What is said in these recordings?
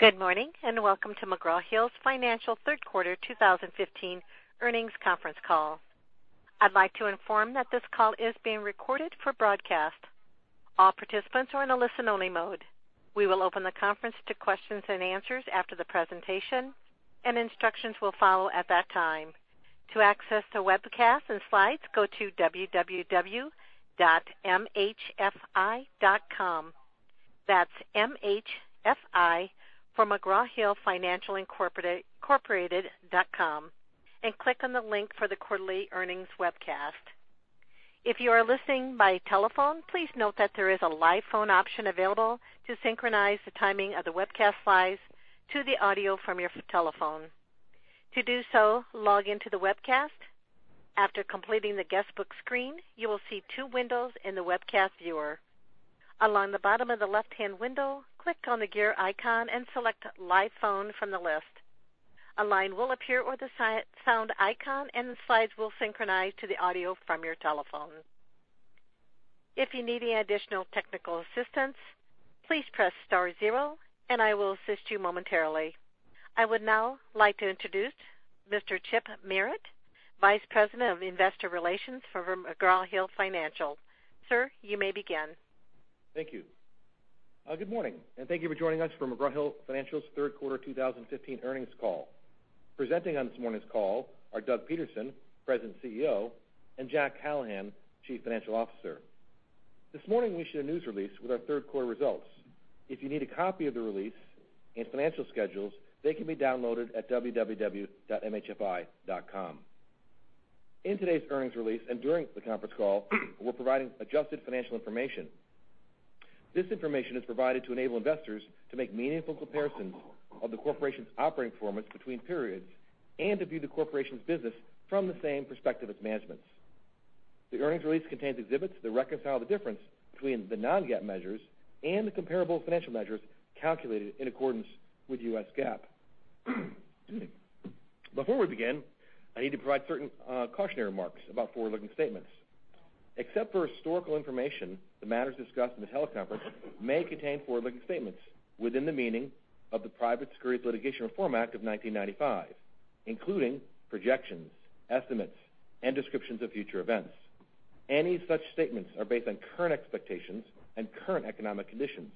Good morning, welcome to McGraw Hill Financial's third quarter 2015 earnings conference call. I'd like to inform that this call is being recorded for broadcast. All participants are in a listen-only mode. We will open the conference to questions and answers after the presentation, instructions will follow at that time. To access the webcast and slides, go to www.mhfi.com. That's M-H-F-I for mcgrawhillfinancialincorporated.com, click on the link for the quarterly earnings webcast. If you are listening by telephone, please note that there is a live phone option available to synchronize the timing of the webcast slides to the audio from your telephone. To do so, log into the webcast. After completing the guestbook screen, you will see two windows in the webcast viewer. Along the bottom of the left-hand window, click on the gear icon and select Live Phone from the list. A line will appear with a sound icon, the slides will synchronize to the audio from your telephone. If you need any additional technical assistance, please press star zero and I will assist you momentarily. I would now like to introduce Mr. Chip Merritt, Vice President of Investor Relations for McGraw Hill Financial. Sir, you may begin. Thank you. Good morning, thank you for joining us for McGraw Hill Financial's third quarter 2015 earnings call. Presenting on this morning's call are Douglas Peterson, President CEO, Jack Callahan, Chief Financial Officer. This morning, we issued a news release with our third quarter results. If you need a copy of the release and financial schedules, they can be downloaded at www.mhfi.com. In today's earnings release during the conference call, we're providing adjusted financial information. This information is provided to enable investors to make meaningful comparisons of the corporation's operating performance between periods and to view the corporation's business from the same perspective as management's. The earnings release contains exhibits that reconcile the difference between the non-GAAP measures and the comparable financial measures calculated in accordance with U.S. GAAP. Before we begin, I need to provide certain cautionary remarks about forward-looking statements. Except for historical information, the matters discussed in this teleconference may contain forward-looking statements within the meaning of the Private Securities Litigation Reform Act of 1995, including projections, estimates, and descriptions of future events. Any such statements are based on current expectations and current economic conditions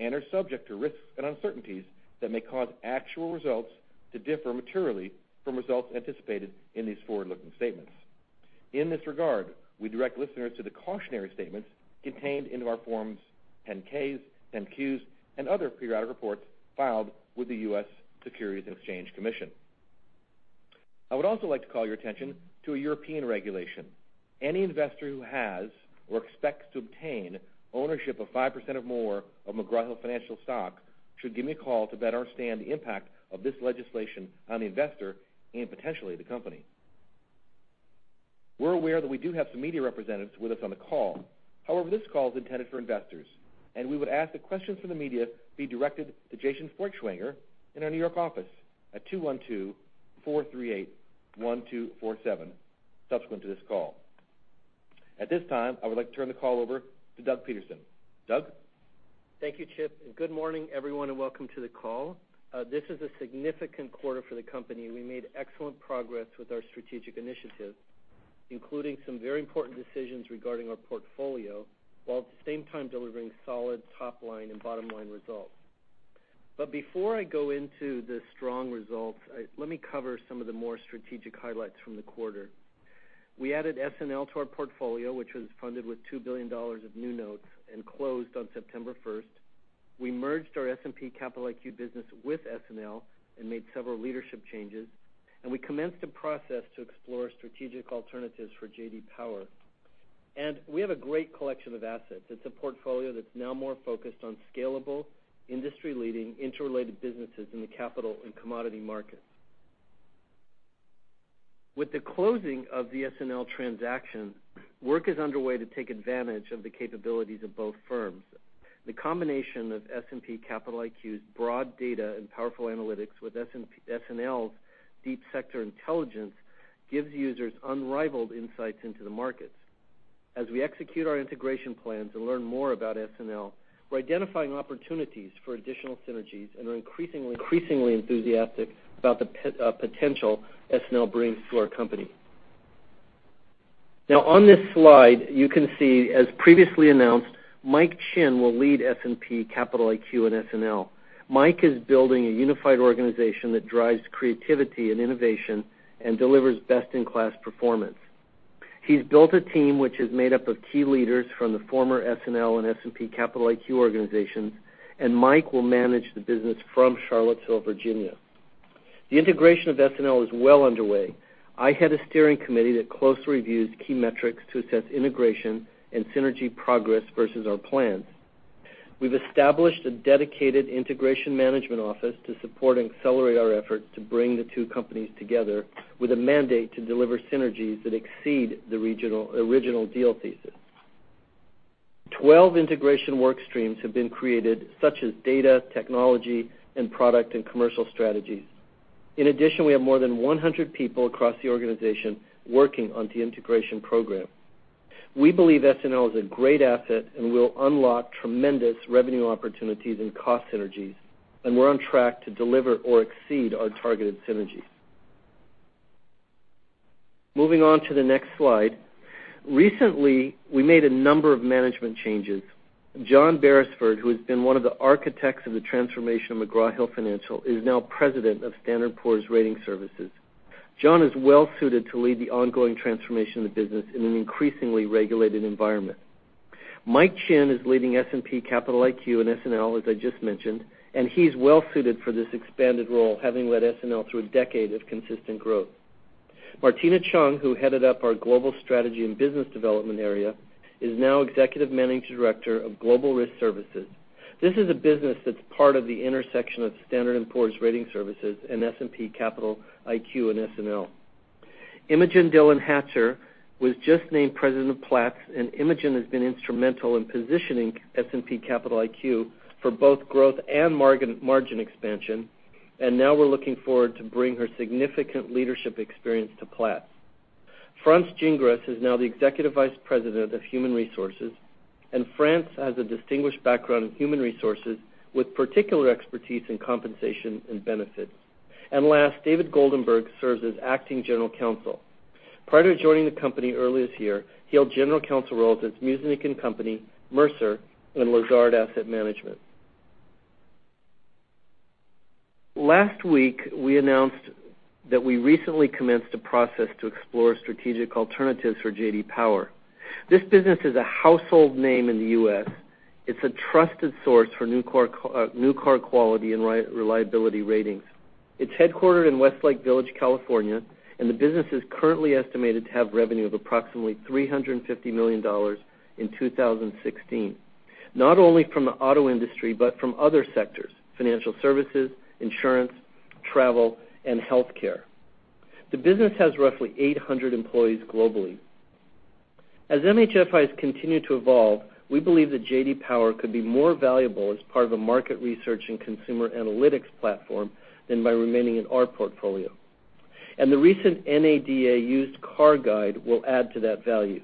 and are subject to risks and uncertainties that may cause actual results to differ materially from results anticipated in these forward-looking statements. In this regard, we direct listeners to the cautionary statements contained in our Forms 10-Ks, 10-Qs, and other periodic reports filed with the U.S. Securities and Exchange Commission. I would also like to call your attention to a European regulation. Any investor who has or expects to obtain ownership of 5% or more of McGraw Hill Financial stock should give me a call to better understand the impact of this legislation on the investor and potentially the company. We're aware that we do have some media representatives with us on the call. This call is intended for investors, we would ask that questions from the media be directed to Jason Feuchtwanger in our New York office at 212-438-1247 subsequent to this call. At this time, I would like to turn the call over to Douglas Peterson. Doug? Thank you, Chip, good morning, everyone, welcome to the call. This is a significant quarter for the company. We made excellent progress with our strategic initiatives, including some very important decisions regarding our portfolio, while at the same time delivering solid top-line and bottom-line results. Before I go into the strong results, let me cover some of the more strategic highlights from the quarter. We added SNL to our portfolio, which was funded with $2 billion of new notes and closed on September 1st. We merged our S&P Capital IQ business with SNL and made several leadership changes, we commenced a process to explore strategic alternatives for J.D. Power. We have a great collection of assets. It's a portfolio that's now more focused on scalable, industry-leading, interrelated businesses in the capital and commodity markets. With the closing of the SNL transaction, work is underway to take advantage of the capabilities of both firms. The combination of S&P Capital IQ's broad data and powerful analytics with SNL's deep sector intelligence gives users unrivaled insights into the markets. As we execute our integration plans and learn more about SNL, we're identifying opportunities for additional synergies and are increasingly enthusiastic about the potential SNL brings to our company. On this slide, you can see, as previously announced, Mike Chinn will lead S&P Capital IQ and SNL. Mike is building a unified organization that drives creativity and innovation and delivers best-in-class performance. He's built a team which is made up of key leaders from the former SNL and S&P Capital IQ organizations, Mike will manage the business from Charlottesville, Virginia. The integration of SNL is well underway. I head a steering committee that closely reviews key metrics to assess integration and synergy progress versus our plans. We've established a dedicated integration management office to support and accelerate our efforts to bring the two companies together with a mandate to deliver synergies that exceed the original deal thesis. 12 integration work streams have been created, such as data, technology, and product and commercial strategies. We have more than 100 people across the organization working on the integration program. We believe S&L is a great asset and will unlock tremendous revenue opportunities and cost synergies, we're on track to deliver or exceed our targeted synergies. Moving on to the next slide. Recently, we made a number of management changes. John Berisford, who has been one of the architects of the transformation of McGraw Hill Financial, is now president of Standard & Poor's Ratings Services. John is well-suited to lead the ongoing transformation of the business in an increasingly regulated environment. Mike Chinn is leading S&P Capital IQ and S&L, as I just mentioned. He's well-suited for this expanded role, having led S&L through a decade of consistent growth. Martina Cheung, who headed up our global strategy and business development area, is now Executive Managing Director of Global Risk Services. This is a business that's part of the intersection of Standard & Poor's Ratings Services and S&P Capital IQ and S&L. Imogen Dillon Hatcher was just named President of Platts. Imogen has been instrumental in positioning S&P Capital IQ for both growth and margin expansion. Now we're looking forward to bring her significant leadership experience to Platts. France Gingras is now the Executive Vice President of Human Resources. France has a distinguished background in human resources with particular expertise in compensation and benefits. Last, David Goldenberg serves as acting general counsel. Prior to joining the company earlier this year, he held general counsel roles at Muzinich & Co., Mercer, and Lazard Asset Management. Last week, we announced that we recently commenced a process to explore strategic alternatives for J.D. Power. This business is a household name in the U.S. It's a trusted source for new car quality and reliability ratings. It's headquartered in Westlake Village, California. The business is currently estimated to have revenue of approximately $350 million in 2016, not only from the auto industry, but from other sectors, financial services, insurance, travel, and healthcare. The business has roughly 800 employees globally. As MHFI has continued to evolve, we believe that J.D. Power could be more valuable as part of a market research and consumer analytics platform than by remaining in our portfolio. The recent NADA Used Car Guide will add to that value.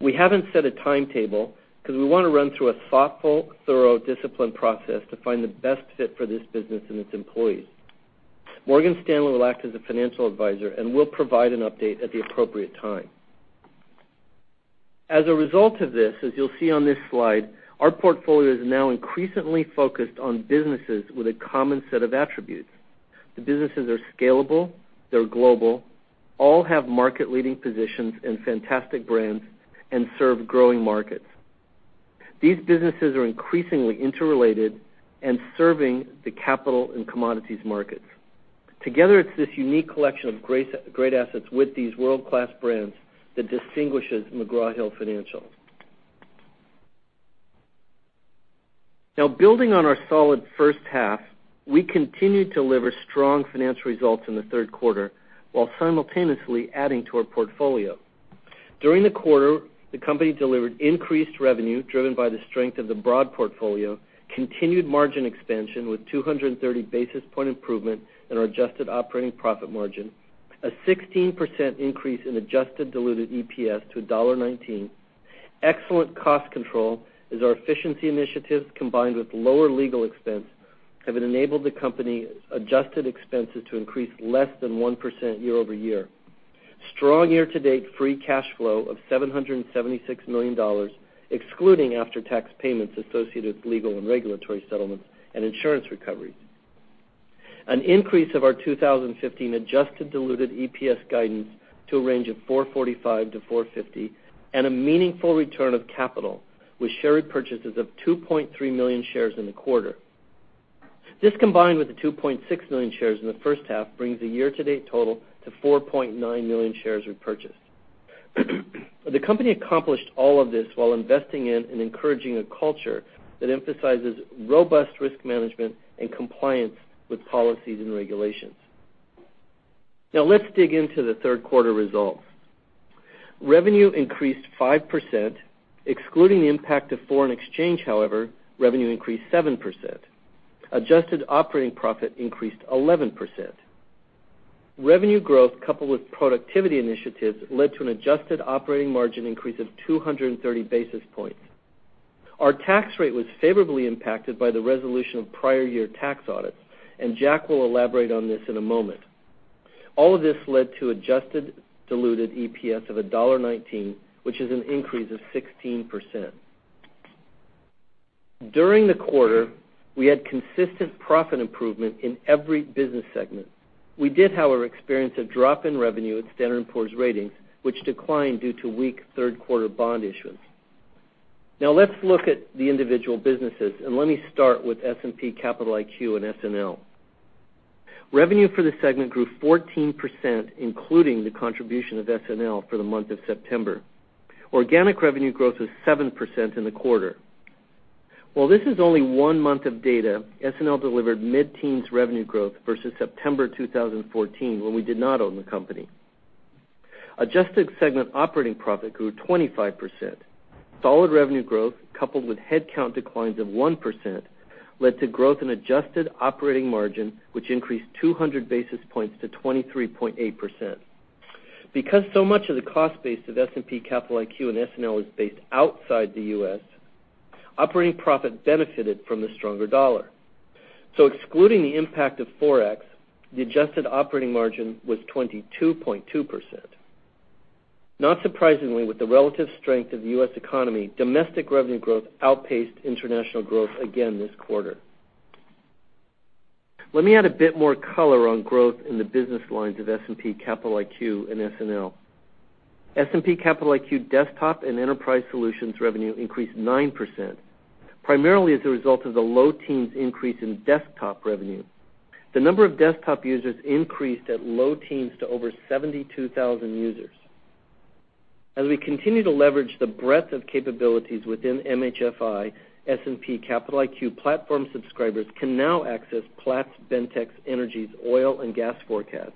We haven't set a timetable because we want to run through a thoughtful, thorough, disciplined process to find the best fit for this business and its employees. Morgan Stanley will act as a financial advisor. We'll provide an update at the appropriate time. As a result of this, as you'll see on this slide, our portfolio is now increasingly focused on businesses with a common set of attributes. The businesses are scalable, they're global, all have market-leading positions and fantastic brands and serve growing markets. These businesses are increasingly interrelated and serving the capital and commodities markets. Together, it's this unique collection of great assets with these world-class brands that distinguishes McGraw Hill Financial. Now, building on our solid first half, we continued to deliver strong financial results in the third quarter while simultaneously adding to our portfolio. During the quarter, the company delivered increased revenue driven by the strength of the broad portfolio, continued margin expansion with 230 basis point improvement in our adjusted operating profit margin, a 16% increase in adjusted diluted EPS to $1.19. Excellent cost control as our efficiency initiatives, combined with lower legal expense, have enabled the company adjusted expenses to increase less than 1% year-over-year. Strong year-to-date free cash flow of $776 million, excluding after-tax payments associated with legal and regulatory settlements and insurance recoveries. An increase of our 2015 adjusted diluted EPS guidance to a range of $4.45-$4.50. A meaningful return of capital, with share purchases of 2.3 million shares in the quarter. This, combined with the 2.6 million shares in the first half, brings the year-to-date total to 4.9 million shares repurchased. The company accomplished all of this while investing in and encouraging a culture that emphasizes robust risk management and compliance with policies and regulations. Let's dig into the third quarter results. Revenue increased 5%. Excluding the impact of foreign exchange, however, revenue increased 7%. Adjusted operating profit increased 11%. Revenue growth, coupled with productivity initiatives, led to an adjusted operating margin increase of 230 basis points. Our tax rate was favorably impacted by the resolution of prior year tax audits, Jack will elaborate on this in a moment. All of this led to adjusted diluted EPS of $1.19, which is an increase of 16%. During the quarter, we had consistent profit improvement in every business segment. We did, however, experience a drop in revenue at Standard & Poor's Ratings, which declined due to weak third-quarter bond issuance. Let's look at the individual businesses, let me start with S&P Capital IQ and SNL. Revenue for the segment grew 14%, including the contribution of SNL for the month of September. Organic revenue growth was 7% in the quarter. While this is only one month of data, SNL delivered mid-teens revenue growth versus September 2014, when we did not own the company. Adjusted segment operating profit grew 25%. Solid revenue growth, coupled with headcount declines of 1%, led to growth in adjusted operating margin, which increased 200 basis points to 23.8%. Because so much of the cost base of S&P Capital IQ and SNL is based outside the U.S., operating profit benefited from the stronger dollar. Excluding the impact of Forex, the adjusted operating margin was 22.2%. Not surprisingly, with the relative strength of the U.S. economy, domestic revenue growth outpaced international growth again this quarter. Let me add a bit more color on growth in the business lines of S&P Capital IQ and SNL. S&P Capital IQ desktop and enterprise solutions revenue increased 9%, primarily as a result of the low teens increase in desktop revenue. The number of desktop users increased at low teens to over 72,000 users. As we continue to leverage the breadth of capabilities within MHFI, S&P Capital IQ platform subscribers can now access Platts Bentek Energy's oil and gas forecast.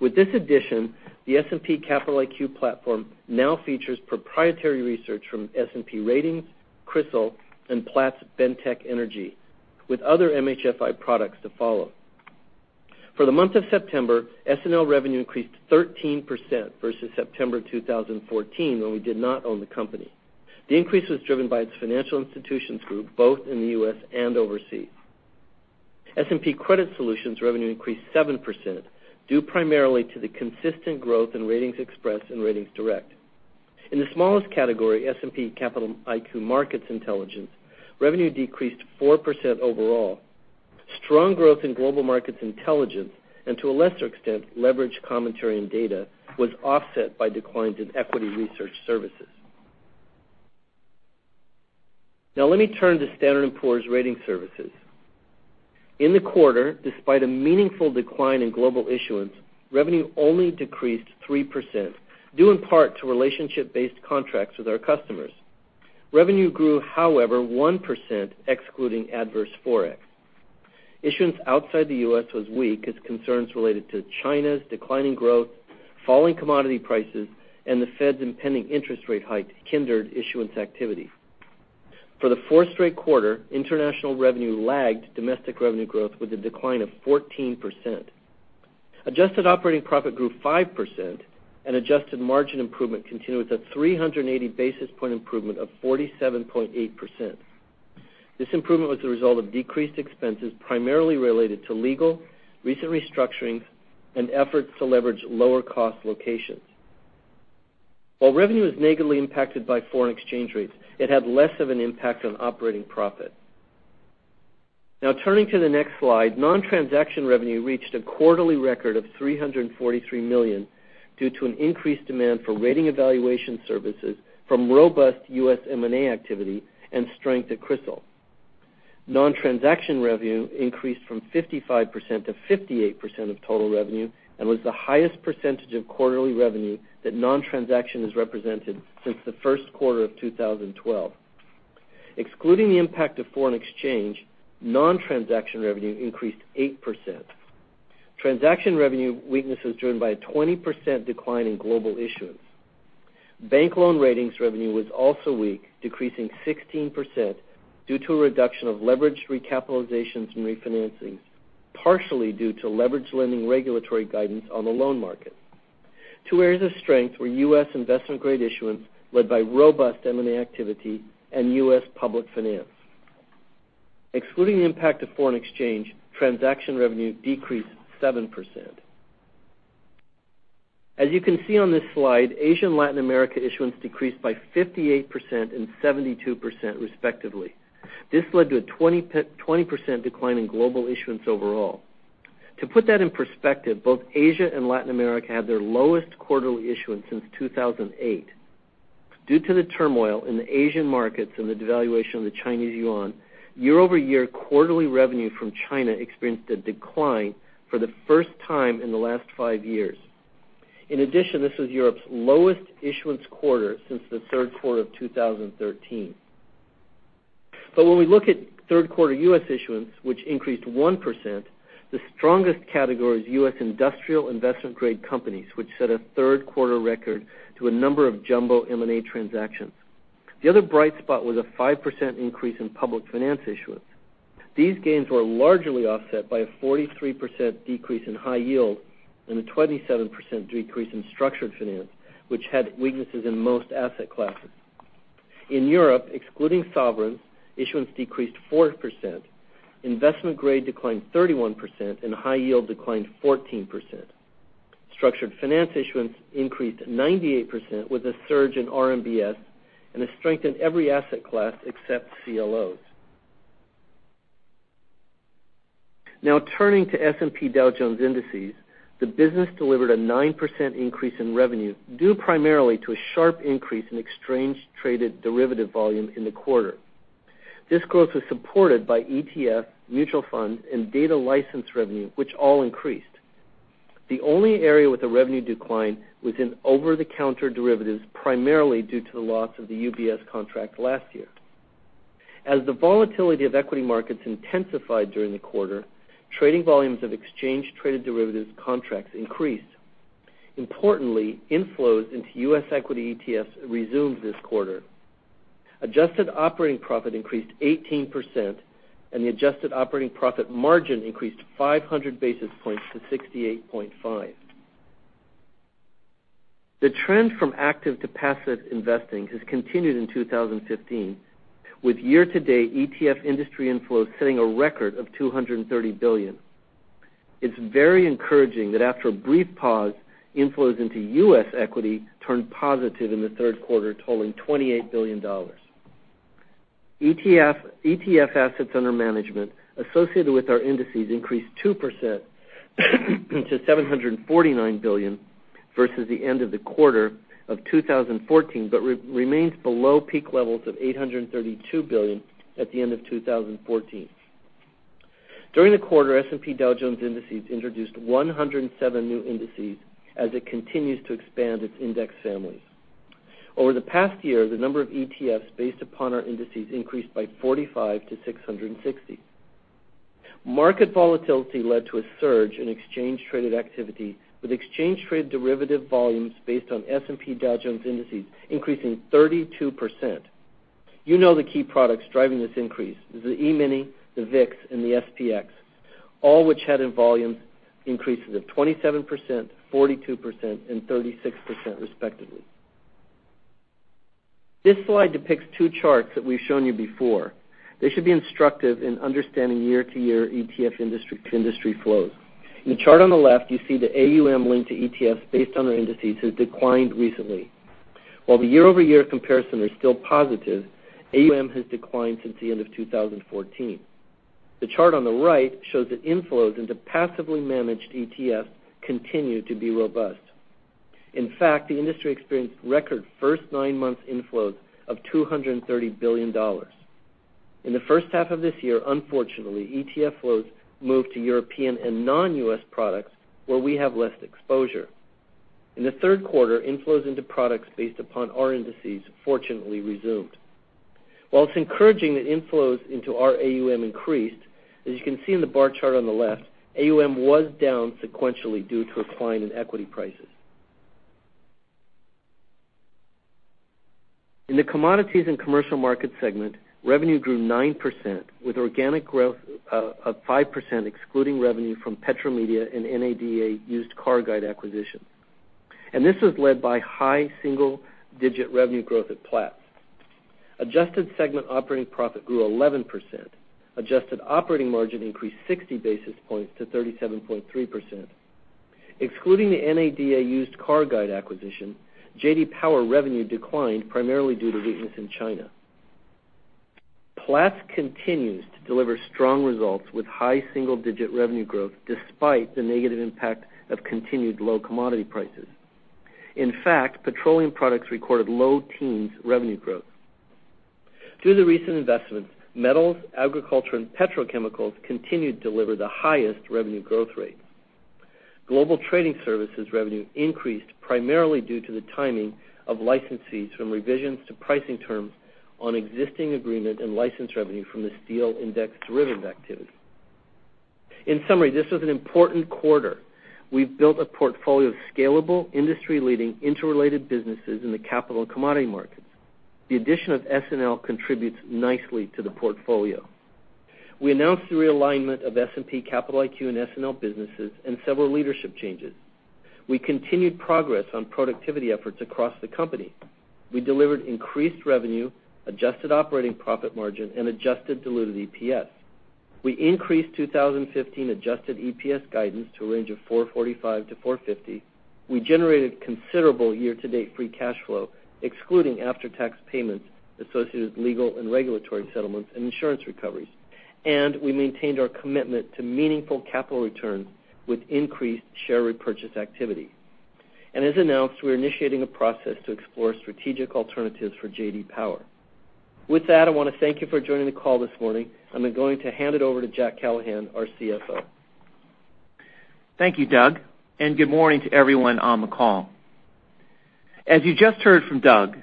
With this addition, the S&P Capital IQ platform now features proprietary research from S&P Ratings, CRISIL and Platts Bentek Energy, with other MHFI products to follow. For the month of September, SNL revenue increased 13% versus September 2014, when we did not own the company. The increase was driven by its financial institutions group, both in the U.S. and overseas. S&P Credit Solutions revenue increased 7%, due primarily to the consistent growth in RatingsXpress and RatingsDirect. In the smallest category, S&P Capital IQ Markets Intelligence, revenue decreased 4% overall. Strong growth in global markets intelligence, and to a lesser extent, Leveraged Commentary & Data, was offset by declines in equity research services. Let me turn to Standard & Poor's Ratings Services. In the quarter, despite a meaningful decline in global issuance, revenue only decreased 3%, due in part to relationship-based contracts with our customers. Revenue grew, however, 1%, excluding adverse Forex. Issuance outside the U.S. was weak as concerns related to China's declining growth, falling commodity prices, and the Fed's impending interest rate hikes hindered issuance activity. For the fourth straight quarter, international revenue lagged domestic revenue growth with a decline of 14%. Adjusted operating profit grew 5%, and adjusted margin improvement continued with a 380 basis point improvement of 47.8%. This improvement was the result of decreased expenses, primarily related to legal, recent restructuring, and efforts to leverage lower cost locations. While revenue was negatively impacted by foreign exchange rates, it had less of an impact on operating profit. Now turning to the next slide, non-transaction revenue reached a quarterly record of $343 million due to an increased demand for rating evaluation services from robust U.S. M&A activity and strength at Crystal. Non-transaction revenue increased from 55% to 58% of total revenue and was the highest percentage of quarterly revenue that non-transaction has represented since the first quarter of 2012. Excluding the impact of foreign exchange, non-transaction revenue increased 8%. Transaction revenue weakness was driven by a 20% decline in global issuance. Bank loan ratings revenue was also weak, decreasing 16% due to a reduction of leveraged recapitalizations and refinancings, partially due to leveraged lending regulatory guidance on the loan market. Two areas of strength were U.S. investment-grade issuance, led by robust M&A activity and U.S. public finance. Excluding the impact of foreign exchange, transaction revenue decreased 7%. As you can see on this slide, Asia and Latin America issuance decreased by 58% and 72% respectively. This led to a 20% decline in global issuance overall. To put that in perspective, both Asia and Latin America had their lowest quarterly issuance since 2008. Due to the turmoil in the Asian markets and the devaluation of the Chinese yuan, year-over-year quarterly revenue from China experienced a decline for the first time in the last five years. This was Europe's lowest issuance quarter since the third quarter of 2013. When we look at third quarter U.S. issuance, which increased 1%, the strongest category is U.S. industrial investment-grade companies, which set a third quarter record to a number of jumbo M&A transactions. The other bright spot was a 5% increase in public finance issuance. These gains were largely offset by a 43% decrease in high yield and a 27% decrease in structured finance, which had weaknesses in most asset classes. In Europe, excluding sovereigns, issuance decreased 4%, investment grade declined 31%, and high yield declined 14%. Structured finance issuance increased 98% with a surge in RMBS and a strength in every asset class except CLOs. Now turning to S&P Dow Jones Indices, the business delivered a 9% increase in revenue, due primarily to a sharp increase in exchange traded derivative volume in the quarter. This growth was supported by ETF mutual funds and data license revenue, which all increased. The only area with a revenue decline was in over-the-counter derivatives, primarily due to the loss of the UBS contract last year. As the volatility of equity markets intensified during the quarter, trading volumes of exchange traded derivatives contracts increased. Importantly, inflows into U.S. equity ETFs resumed this quarter. Adjusted operating profit increased 18%, and the adjusted operating profit margin increased 500 basis points to 68.5%. The trend from active to passive investing has continued in 2015, with year-to-date ETF industry inflows setting a record of $230 billion. It is very encouraging that after a brief pause, inflows into U.S. equity turned positive in the third quarter, totaling $28 billion. ETF assets under management associated with our indices increased 2% to $749 billion versus the end of the quarter of 2014, but remains below peak levels of $832 billion at the end of 2014. During the quarter, S&P Dow Jones Indices introduced 107 new indices as it continues to expand its index families. Over the past year, the number of ETFs based upon our indices increased by 45 to 660. Market volatility led to a surge in exchange traded activity, with exchange traded derivative volumes based on S&P Dow Jones Indices increasing 32%. You know the key products driving this increase. The E-mini, the VIX, and the SPX, all which had in volume increases of 27%, 42%, and 36%, respectively. This slide depicts two charts that we've shown you before. They should be instructive in understanding year-to-year ETF industry flows. In the chart on the left, you see the AUM linked to ETFs based on our indices has declined recently. While the year-over-year comparison is still positive, AUM has declined since the end of 2014. The chart on the right shows that inflows into passively managed ETFs continue to be robust. In fact, the industry experienced record first nine months inflows of $230 billion. In the first half of this year, unfortunately, ETF flows moved to European and non-U.S. products where we have less exposure. In the third quarter, inflows into products based upon our indices fortunately resumed. While it's encouraging that inflows into our AUM increased, as you can see in the bar chart on the left, AUM was down sequentially due to a decline in equity prices. In the commodities and commercial market segment, revenue grew 9%, with organic growth of 5%, excluding revenue from Petromedia and NADA Used Car Guide acquisition. This was led by high single-digit revenue growth at Platts. Adjusted segment operating profit grew 11%. Adjusted operating margin increased 60 basis points to 37.3%. Excluding the NADA Used Car Guide acquisition, J.D. Power revenue declined primarily due to weakness in China. Platts continues to deliver strong results with high single-digit revenue growth despite the negative impact of continued low commodity prices. In fact, petroleum products recorded low teens revenue growth. Through the recent investments, metals, agriculture, and petrochemicals continued to deliver the highest revenue growth rates. Global Trading Services revenue increased primarily due to the timing of licensees from revisions to pricing terms on existing agreement and license revenue from The Steel Index derivatives activity. In summary, this was an important quarter. We've built a portfolio of scalable, industry-leading, interrelated businesses in the capital and commodity markets. The addition of SNL contributes nicely to the portfolio. We announced the realignment of S&P Capital IQ and SNL businesses and several leadership changes. We continued progress on productivity efforts across the company. We delivered increased revenue, adjusted operating profit margin, and adjusted diluted EPS. We increased 2015 adjusted EPS guidance to a range of $4.45-$4.50. We generated considerable year-to-date free cash flow, excluding after-tax payments associated with legal and regulatory settlements and insurance recoveries. And we maintained our commitment to meaningful capital returns with increased share repurchase activity. As announced, we are initiating a process to explore strategic alternatives for J.D. Power. With that, I want to thank you for joining the call this morning. I am now going to hand it over to Jack Callahan, our CFO. Thank you, Doug, and good morning to everyone on the call. As you just heard from Doug,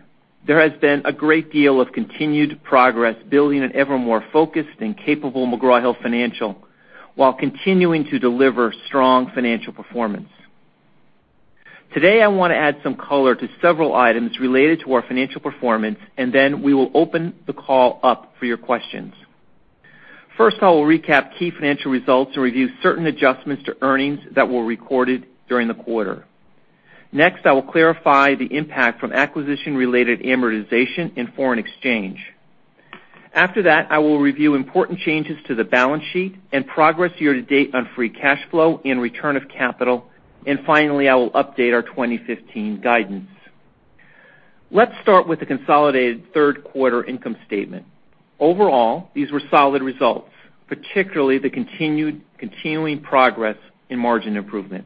there has been a great deal of continued progress building an ever more focused and capable McGraw Hill Financial, while continuing to deliver strong financial performance. Today, I want to add some color to several items related to our financial performance. Then we will open the call up for your questions. First, I will recap key financial results and review certain adjustments to earnings that were recorded during the quarter. Next, I will clarify the impact from acquisition-related amortization and foreign exchange. After that, I will review important changes to the balance sheet and progress year to date on free cash flow and return of capital. Finally, I will update our 2015 guidance. Let's start with the consolidated third quarter income statement. Overall, these were solid results, particularly the continuing progress in margin improvement.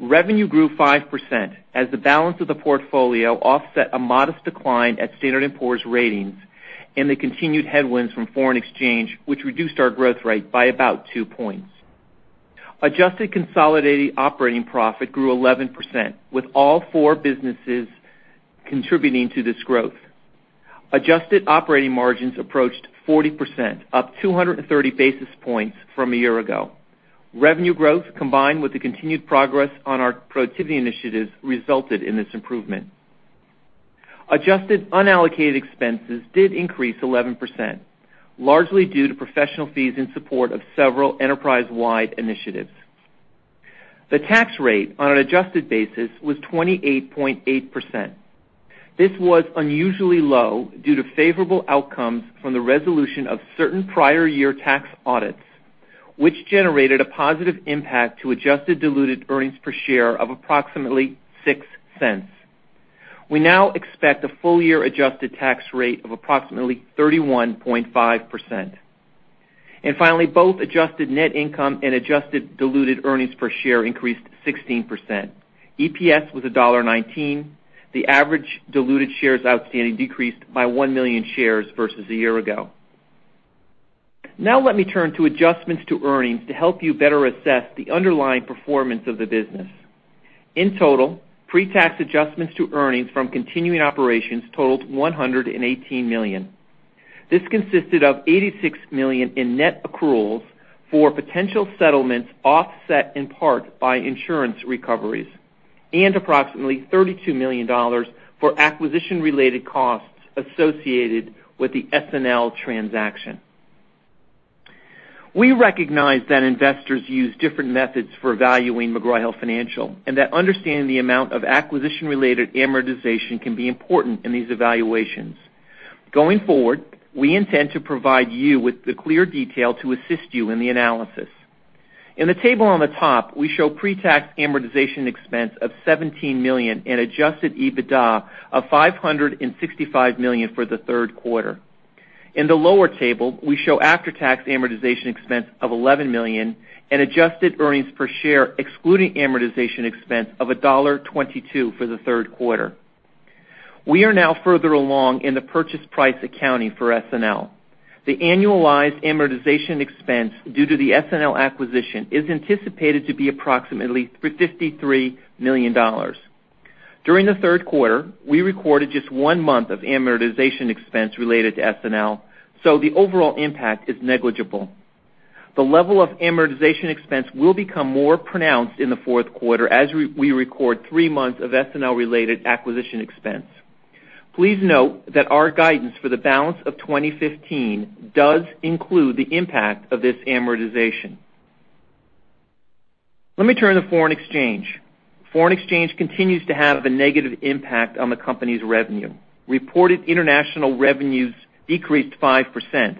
Revenue grew 5%, as the balance of the portfolio offset a modest decline at Standard & Poor's Ratings and the continued headwinds from foreign exchange, which reduced our growth rate by about two points. Adjusted consolidated operating profit grew 11%, with all four businesses contributing to this growth. Adjusted operating margins approached 40%, up 230 basis points from a year ago. Revenue growth, combined with the continued progress on our productivity initiatives, resulted in this improvement. Adjusted unallocated expenses did increase 11%, largely due to professional fees in support of several enterprise-wide initiatives. The tax rate on an adjusted basis was 28.8%. This was unusually low due to favorable outcomes from the resolution of certain prior year tax audits, which generated a positive impact to adjusted diluted earnings per share of approximately $0.06. We now expect a full year adjusted tax rate of approximately 31.5%. Finally, both adjusted net income and adjusted diluted earnings per share increased 16%. EPS was $1.19. The average diluted shares outstanding decreased by 1 million shares versus a year ago. Now let me turn to adjustments to earnings to help you better assess the underlying performance of the business. In total, pre-tax adjustments to earnings from continuing operations totaled $118 million. This consisted of $86 million in net accruals for potential settlements, offset in part by insurance recoveries, and approximately $32 million for acquisition-related costs associated with the SNL transaction. We recognize that investors use different methods for valuing McGraw Hill Financial. That understanding the amount of acquisition-related amortization can be important in these evaluations. Going forward, we intend to provide you with the clear detail to assist you in the analysis. In the table on the top, we show pre-tax amortization expense of $17 million and adjusted EBITDA of $565 million for the third quarter. In the lower table, we show after-tax amortization expense of $11 million and adjusted earnings per share excluding amortization expense of $1.22 for the third quarter. We are now further along in the purchase price accounting for SNL. The annualized amortization expense due to the SNL acquisition is anticipated to be approximately $53 million. During the third quarter, we recorded just one month of amortization expense related to SNL, so the overall impact is negligible. The level of amortization expense will become more pronounced in the fourth quarter as we record three months of SNL-related acquisition expense. Please note that our guidance for the balance of 2015 does include the impact of this amortization. Let me turn to foreign exchange. Foreign exchange continues to have a negative impact on the company's revenue. Reported international revenues decreased 5%.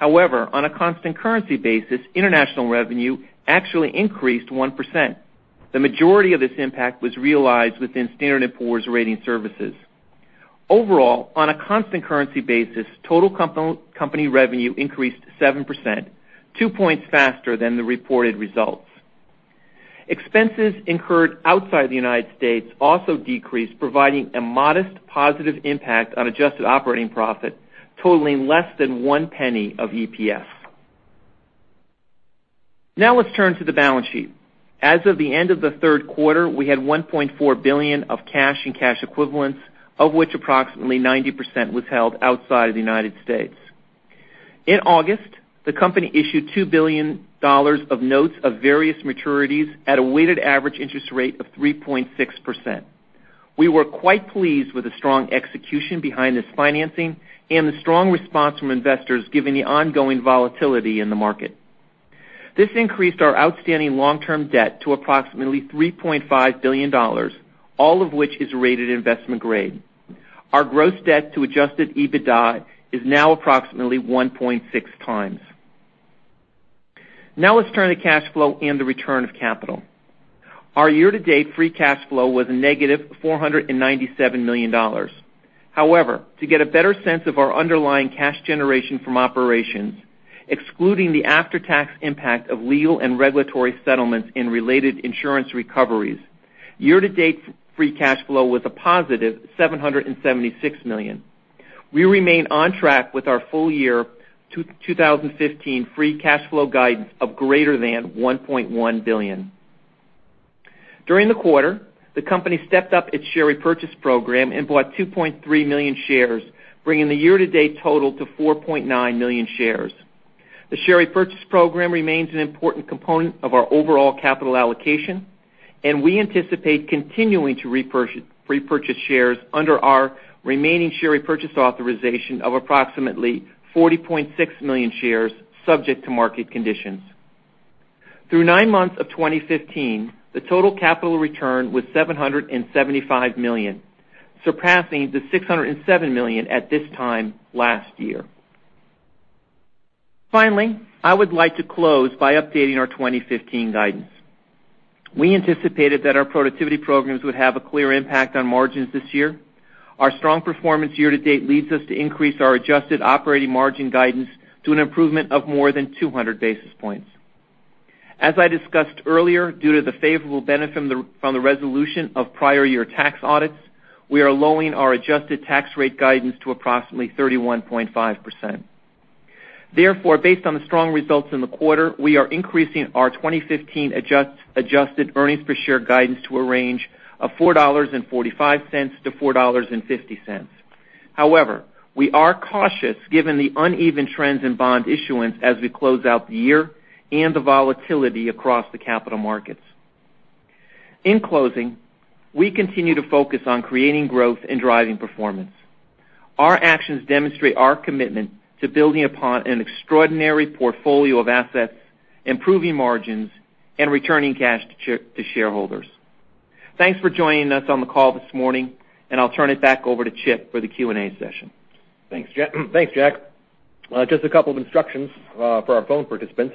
On a constant currency basis, international revenue actually increased 1%. The majority of this impact was realized within Standard & Poor's Ratings Services. Overall, on a constant currency basis, total company revenue increased 7%, two points faster than the reported results. Expenses incurred outside the U.S. also decreased, providing a modest positive impact on adjusted operating profit, totaling less than $0.01 of EPS. Let's turn to the balance sheet. As of the end of the third quarter, we had $1.4 billion of cash and cash equivalents, of which approximately 90% was held outside of the U.S. In August, the company issued $2 billion of notes of various maturities at a weighted average interest rate of 3.6%. We were quite pleased with the strong execution behind this financing and the strong response from investors, given the ongoing volatility in the market. This increased our outstanding long-term debt to approximately $3.5 billion, all of which is rated investment grade. Our gross debt to adjusted EBITDA is now approximately 1.6 times. Let's turn to cash flow and the return of capital. Our year-to-date free cash flow was a negative $497 million. To get a better sense of our underlying cash generation from operations, excluding the after-tax impact of legal and regulatory settlements and related insurance recoveries, year-to-date free cash flow was a positive $776 million. We remain on track with our full year 2015 free cash flow guidance of greater than $1.1 billion. During the quarter, the company stepped up its share repurchase program and bought 2.3 million shares, bringing the year-to-date total to 4.9 million shares. The share repurchase program remains an important component of our overall capital allocation, and we anticipate continuing to repurchase shares under our remaining share repurchase authorization of approximately 40.6 million shares, subject to market conditions. Through nine months of 2015, the total capital return was $775 million, surpassing the $607 million at this time last year. I would like to close by updating our 2015 guidance. We anticipated that our productivity programs would have a clear impact on margins this year. Our strong performance year to date leads us to increase our adjusted operating margin guidance to an improvement of more than 200 basis points. As I discussed earlier, due to the favorable benefit from the resolution of prior year tax audits, we are lowering our adjusted tax rate guidance to approximately 31.5%. Based on the strong results in the quarter, we are increasing our 2015 adjusted earnings per share guidance to a range of $4.45-$4.50. We are cautious given the uneven trends in bond issuance as we close out the year and the volatility across the capital markets. In closing, we continue to focus on creating growth and driving performance. Our actions demonstrate our commitment to building upon an extraordinary portfolio of assets, improving margins, and returning cash to shareholders. Thanks for joining us on the call this morning, and I'll turn it back over to Chip for the Q&A session. Thanks, Jack. Just a couple of instructions for our phone participants.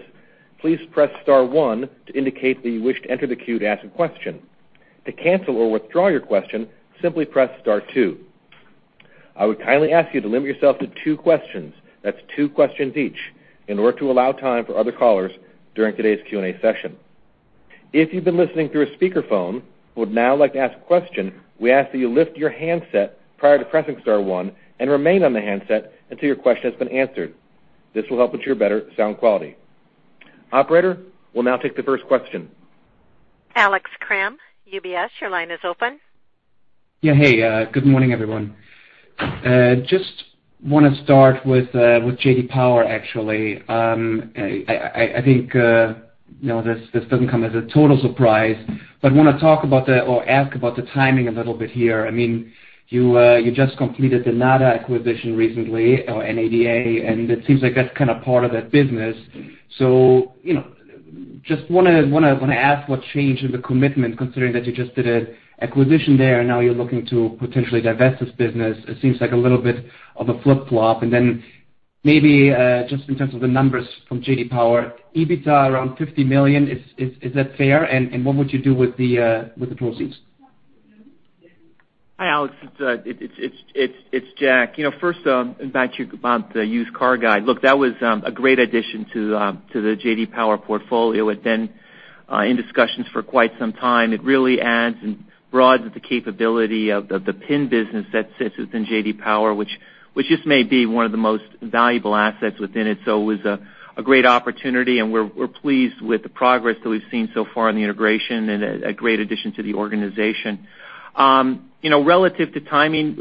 Please press star one to indicate that you wish to enter the queue to ask a question. To cancel or withdraw your question, simply press star two. I would kindly ask you to limit yourself to two questions. That's two questions each, in order to allow time for other callers during today's Q&A session. If you've been listening through a speakerphone and would now like to ask a question, we ask that you lift your handset prior to pressing star one and remain on the handset until your question has been answered. This will help ensure better sound quality. Operator, we'll now take the first question. Alex Kramm, UBS, your line is open. Hey, good morning, everyone. Just want to start with J.D. Power. I think this doesn't come as a total surprise. Want to ask about the timing a little bit here. You just completed the NADA acquisition recently, or N-A-D-A, and it seems like that's kind of part of that business. Just want to ask what changed in the commitment, considering that you just did an acquisition there, and now you're looking to potentially divest this business. It seems like a little bit of a flip-flop. Then maybe just in terms of the numbers from J.D. Power, EBITDA around $50 million. Is that fair? What would you do with the proceeds? Hi, Alex. It's Jack. First, back to you about the used car guide. Look, that was a great addition to the J.D. Power portfolio. It's been in discussions for quite some time. It really adds and broadens the capability of the PIN business that sits within J.D. Power, which just may be one of the most valuable assets within it. It was a great opportunity, and we're pleased with the progress that we've seen so far in the integration and a great addition to the organization. Relative to timing,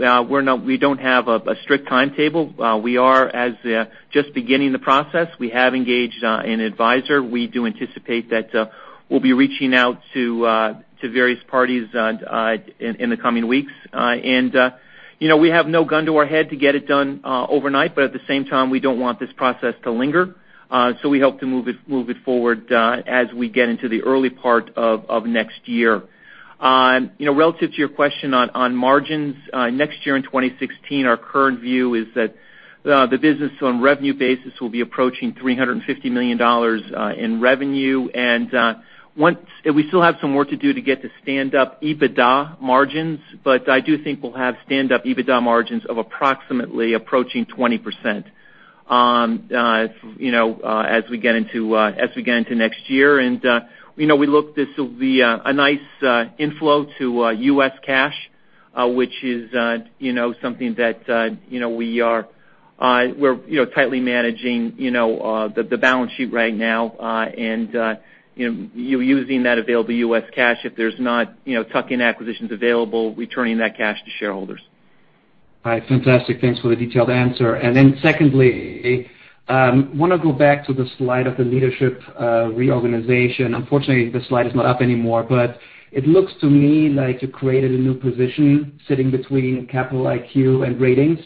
we don't have a strict timetable. We are just beginning the process. We have engaged an advisor. We do anticipate that we'll be reaching out to various parties in the coming weeks. We have no gun to our head to get it done overnight. At the same time, we don't want this process to linger. We hope to move it forward as we get into the early part of next year. Relative to your question on margins, next year in 2016, our current view is that the business on revenue basis will be approaching $350 million in revenue. We still have some work to do to get to stand up EBITDA margins, but I do think we'll have stand-up EBITDA margins of approximately approaching 20% as we get into next year. We look this will be a nice inflow to U.S. cash, which is something that we're tightly managing the balance sheet right now. Using that available U.S. cash, if there's not tuck-in acquisitions available, returning that cash to shareholders. All right. Fantastic. Thanks for the detailed answer. Then secondly, I want to go back to the slide of the leadership reorganization. Unfortunately, the slide is not up anymore, but it looks to me like you created a new position sitting between Capital IQ and ratings.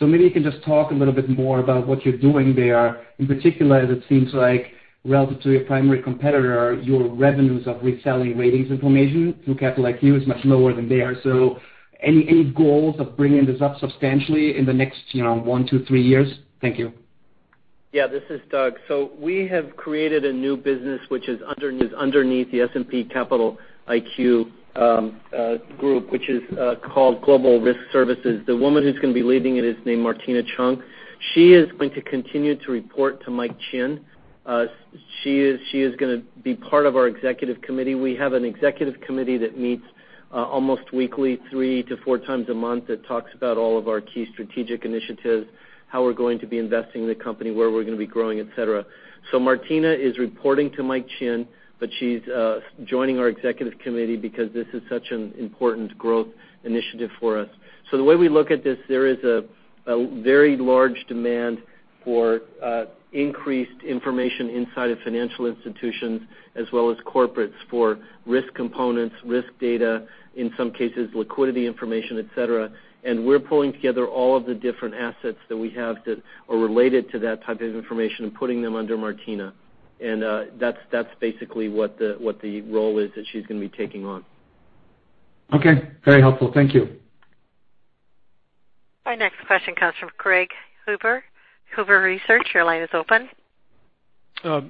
Maybe you can just talk a little bit more about what you're doing there. In particular, as it seems like relative to your primary competitor, your revenues of reselling ratings information through Capital IQ is much lower than theirs. Any goals of bringing this up substantially in the next one, two, three years? Thank you. This is Doug. We have created a new business which is underneath the S&P Capital IQ group, which is called Global Risk Services. The woman who's going to be leading it is named Martina Cheung. She is going to continue to report to Mike Chinn. She is going to be part of our executive committee. We have an executive committee that meets almost weekly, three to four times a month, that talks about all of our key strategic initiatives, how we're going to be investing in the company, where we're going to be growing, et cetera. Martina is reporting to Mike Chinn, but she's joining our executive committee because this is such an important growth initiative for us. The way we look at this, there is a very large demand for increased information inside of financial institutions as well as corporates for risk components, risk data, in some cases liquidity information, et cetera. We're pulling together all of the different assets that we have that are related to that type of information and putting them under Martina Cheung. That's basically what the role is that she's going to be taking on. Okay. Very helpful. Thank you. Our next question comes from Craig Huber with Huber Research. Your line is open.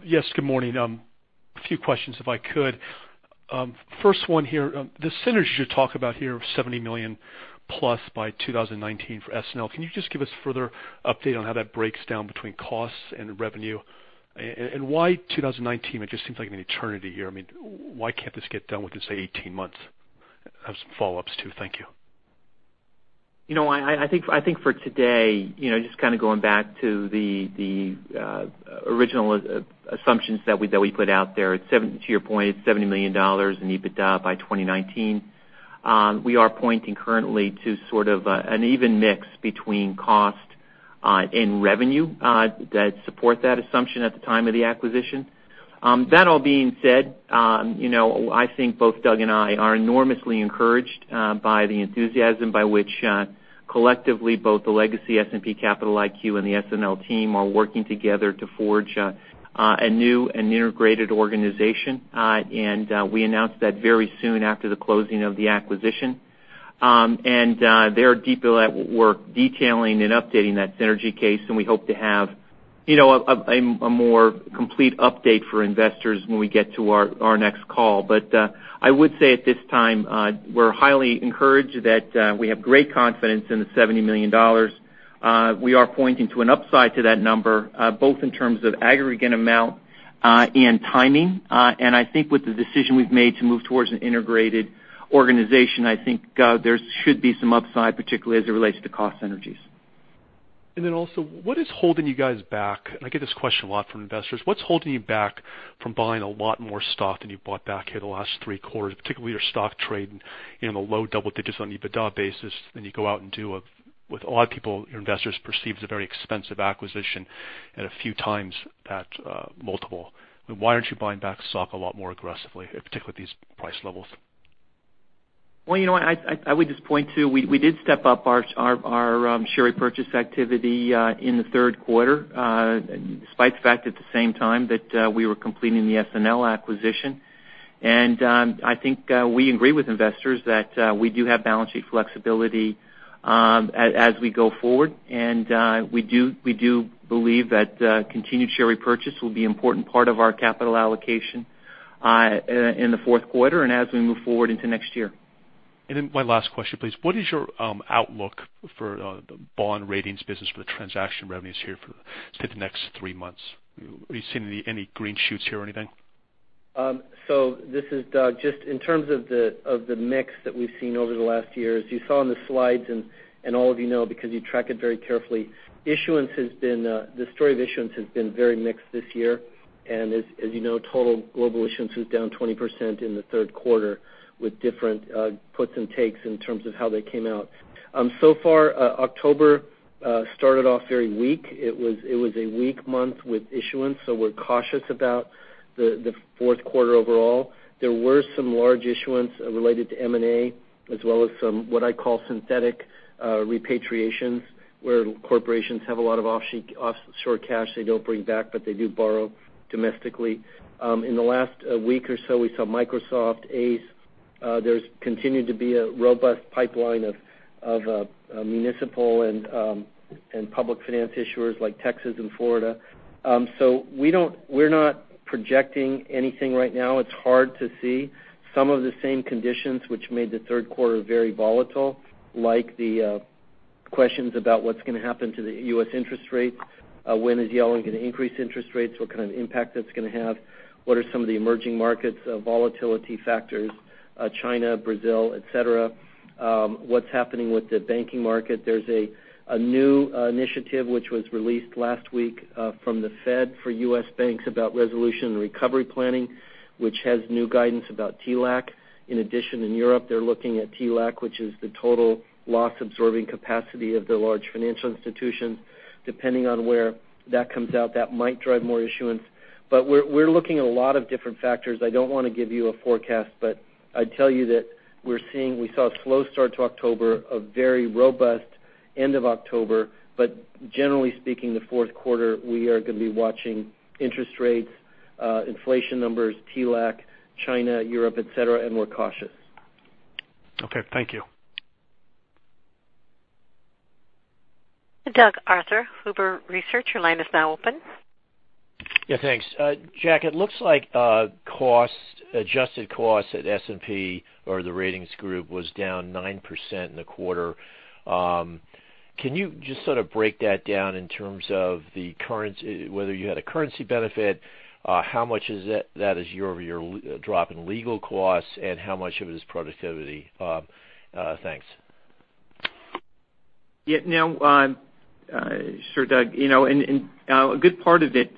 Yes, good morning. A few questions, if I could. First one here. The synergy you talk about here of $70 million plus by 2019 for SNL. Can you just give us further update on how that breaks down between costs and revenue? Why 2019? It just seems like an eternity here. Why can't this get done within, say, 18 months? I have some follow-ups, too. Thank you. I think for today, just going back to the original assumptions that we put out there, to your point, it's $70 million in EBITDA by 2019. We are pointing currently to sort of an even mix between cost and revenue that support that assumption at the time of the acquisition. All being said, I think both Doug and I are enormously encouraged by the enthusiasm by which collectively both the legacy S&P Capital IQ and the SNL team are working together to forge a new and integrated organization. We announced that very soon after the closing of the acquisition. They are deep at work detailing and updating that synergy case, and we hope to have a more complete update for investors when we get to our next call. I would say at this time, we're highly encouraged that we have great confidence in the $70 million. We are pointing to an upside to that number, both in terms of aggregate amount and timing. I think with the decision we've made to move towards an integrated organization, I think there should be some upside, particularly as it relates to cost synergies. Also, what is holding you guys back? I get this question a lot from investors. What's holding you back from buying a lot more stock than you bought back here the last three quarters, particularly your stock trade in the low double digits on EBITDA basis, then you go out and do a, with a lot of people, your investors perceive as a very expensive acquisition at a few times that multiple. Why aren't you buying back stock a lot more aggressively, particularly at these price levels? Well, I would just point to, we did step up our share repurchase activity in the third quarter, despite the fact at the same time that we were completing the SNL acquisition. I think we agree with investors that we do have balance sheet flexibility as we go forward. We do believe that continued share repurchase will be an important part of our capital allocation in the fourth quarter and as we move forward into next year. My last question, please. What is your outlook for the bond ratings business for the transaction revenues here for say the next three months? Are you seeing any green shoots here or anything? This is Doug. Just in terms of the mix that we've seen over the last year, as you saw on the slides and all of you know because you track it very carefully, the story of issuance has been very mixed this year. As you know, total global issuance was down 20% in the third quarter with different puts and takes in terms of how they came out. So far, October started off very weak. It was a weak month with issuance, we're cautious about the fourth quarter overall. There were some large issuance related to M&A, as well as some, what I call synthetic repatriations, where corporations have a lot of offshore cash they don't bring back, but they do borrow domestically. In the last week or so we saw Microsoft, ACE. There's continued to be a robust pipeline of municipal and public finance issuers like Texas and Florida. We're not projecting anything right now. It's hard to see. Some of the same conditions which made the third quarter very volatile, like the questions about what's going to happen to the U.S. interest rates, when is Yellen going to increase interest rates, what kind of impact that's going to have, what are some of the emerging markets volatility factors, China, Brazil, et cetera. What's happening with the banking market. There's a new initiative which was released last week from the Fed for U.S. banks about resolution and recovery planning, which has new guidance about TLAC. In addition, in Europe, they're looking at TLAC, which is the total loss-absorbing capacity of the large financial institutions. Depending on where that comes out, that might drive more issuance. We're looking at a lot of different factors. I don't want to give you a forecast, but I'd tell you that we saw a slow start to October, a very robust end of October. Generally speaking, the fourth quarter, we are going to be watching interest rates, inflation numbers, TLAC, China, Europe, et cetera, and we're cautious. Okay. Thank you. Doug Arthur, Huber Research, your line is now open. Yeah, thanks. Jack, it looks like adjusted costs at S&P or the ratings group was down 9% in the quarter. Can you just sort of break that down in terms of whether you had a currency benefit? How much of that is year-over-year drop in legal costs, and how much of it is productivity? Thanks. Yeah. Sure, Doug. A good part of it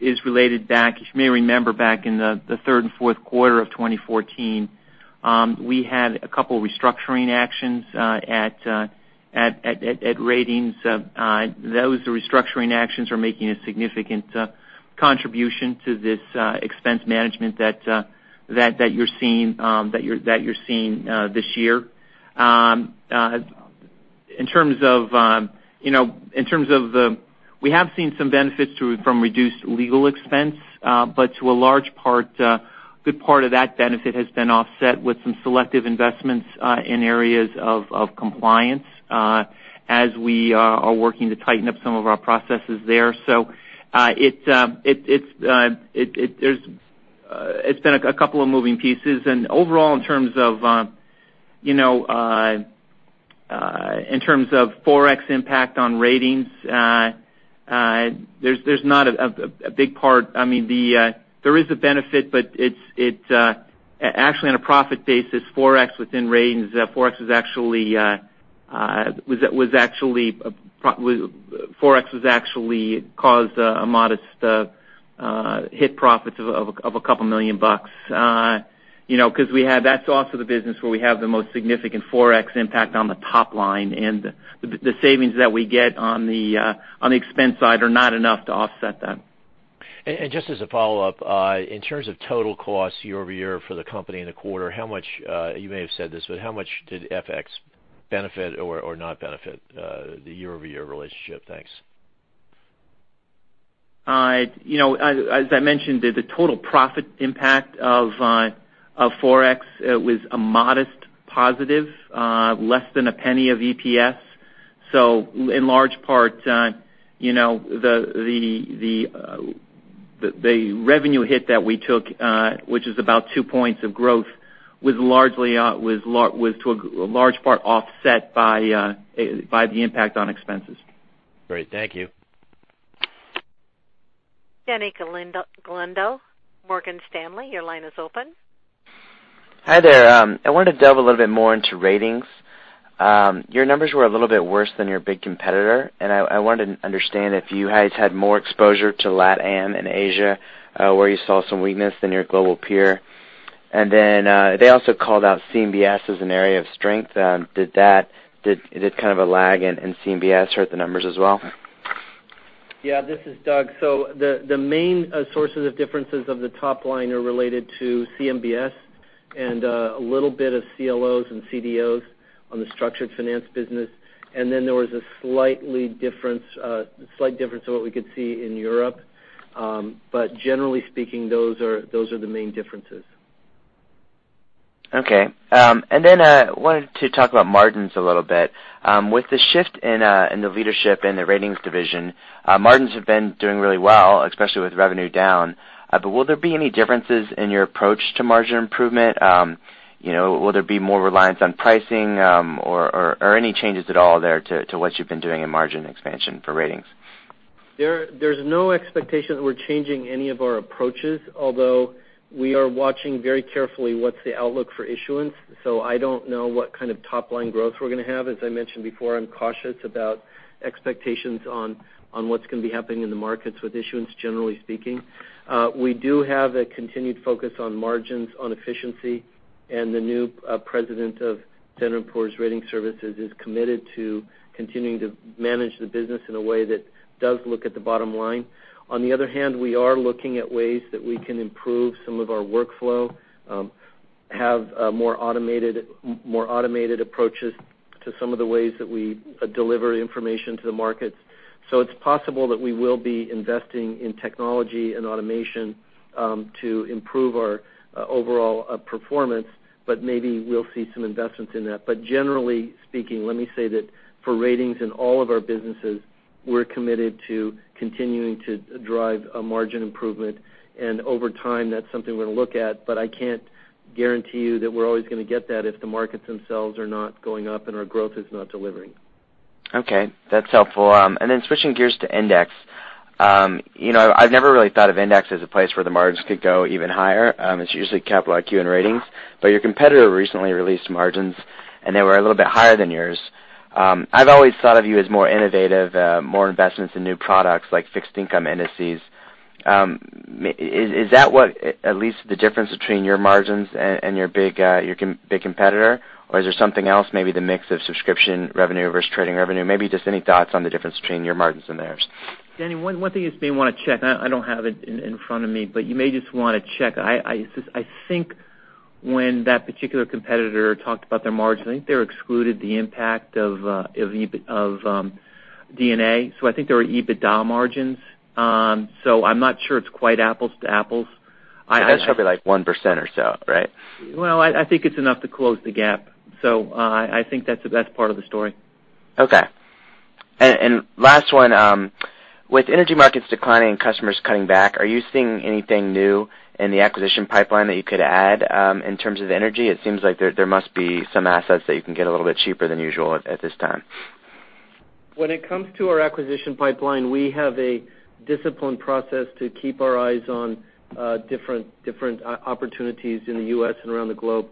is related back, as you may remember, back in the third and fourth quarter of 2014, we had a couple restructuring actions at Ratings. Those restructuring actions are making a significant contribution to this expense management that you're seeing this year. We have seen some benefits from reduced legal expense, but to a large part, a good part of that benefit has been offset with some selective investments in areas of compliance as we are working to tighten up some of our processes there. It's been a couple of moving pieces. Overall, in terms of In terms of forex impact on Ratings, there's not a big part. There is a benefit, but actually on a profit basis, forex within Ratings, forex was actually caused a modest hit profits of $2 million. That's also the business where we have the most significant forex impact on the top line, and the savings that we get on the expense side are not enough to offset that. Just as a follow-up, in terms of total costs year-over-year for the company in the quarter, you may have said this, but how much did FX benefit or not benefit the year-over-year relationship? Thanks. As I mentioned, the total profit impact of forex was a modest positive, less than $0.01 of EPS. In large part, the revenue hit that we took, which is about two points of growth, was to a large part offset by the impact on expenses. Great. Thank you. Toni Kaplan, Morgan Stanley, your line is open. Hi there. I wanted to delve a little bit more into ratings. Your numbers were a little bit worse than your big competitor. I wanted to understand if you guys had more exposure to LATAM and Asia, where you saw some weakness in your global peer. They also called out CMBS as an area of strength. Did kind of a lag in CMBS hurt the numbers as well? Yeah, this is Doug. The main sources of differences of the top line are related to CMBS and a little bit of CLOs and CDOs on the structured finance business. There was a slight difference to what we could see in Europe. Generally speaking, those are the main differences. Okay. I wanted to talk about margins a little bit. With the shift in the leadership and the ratings division, margins have been doing really well, especially with revenue down. Will there be any differences in your approach to margin improvement? Will there be more reliance on pricing or any changes at all there to what you've been doing in margin expansion for ratings? There's no expectation that we're changing any of our approaches, although we are watching very carefully what's the outlook for issuance. I don't know what kind of top-line growth we're going to have. As I mentioned before, I'm cautious about expectations on what's going to be happening in the markets with issuance, generally speaking. We do have a continued focus on margins on efficiency, and the new president of Standard & Poor's Ratings Services is committed to continuing to manage the business in a way that does look at the bottom line. We are looking at ways that we can improve some of our workflow, have more automated approaches to some of the ways that we deliver information to the markets. It's possible that we will be investing in technology and automation to improve our overall performance, but maybe we'll see some investments in that. Generally speaking, let me say that for ratings in all of our businesses, we're committed to continuing to drive a margin improvement. Over time, that's something we're going to look at, but I can't guarantee you that we're always going to get that if the markets themselves are not going up and our growth is not delivering. Okay, that's helpful. Switching gears to index. I've never really thought of index as a place where the margins could go even higher. It's usually Capital IQ and ratings. Your competitor recently released margins, and they were a little bit higher than yours. I've always thought of you as more innovative, more investments in new products like fixed income indices. Is that what at least the difference between your margins and your big competitor? Is there something else, maybe the mix of subscription revenue versus trading revenue? Maybe just any thoughts on the difference between your margins and theirs. Toni, one thing you may want to check, and I don't have it in front of me, you may just want to check. I think when that particular competitor talked about their margins, I think they excluded the impact of D&A. I think they were EBITDA margins. I'm not sure it's quite apples to apples. That's probably like 1% or so, right? Well, I think it's enough to close the gap. I think that's part of the story. Okay. Last one. With energy markets declining and customers cutting back, are you seeing anything new in the acquisition pipeline that you could add in terms of energy? It seems like there must be some assets that you can get a little bit cheaper than usual at this time. When it comes to our acquisition pipeline, we have a disciplined process to keep our eyes on different opportunities in the U.S. and around the globe.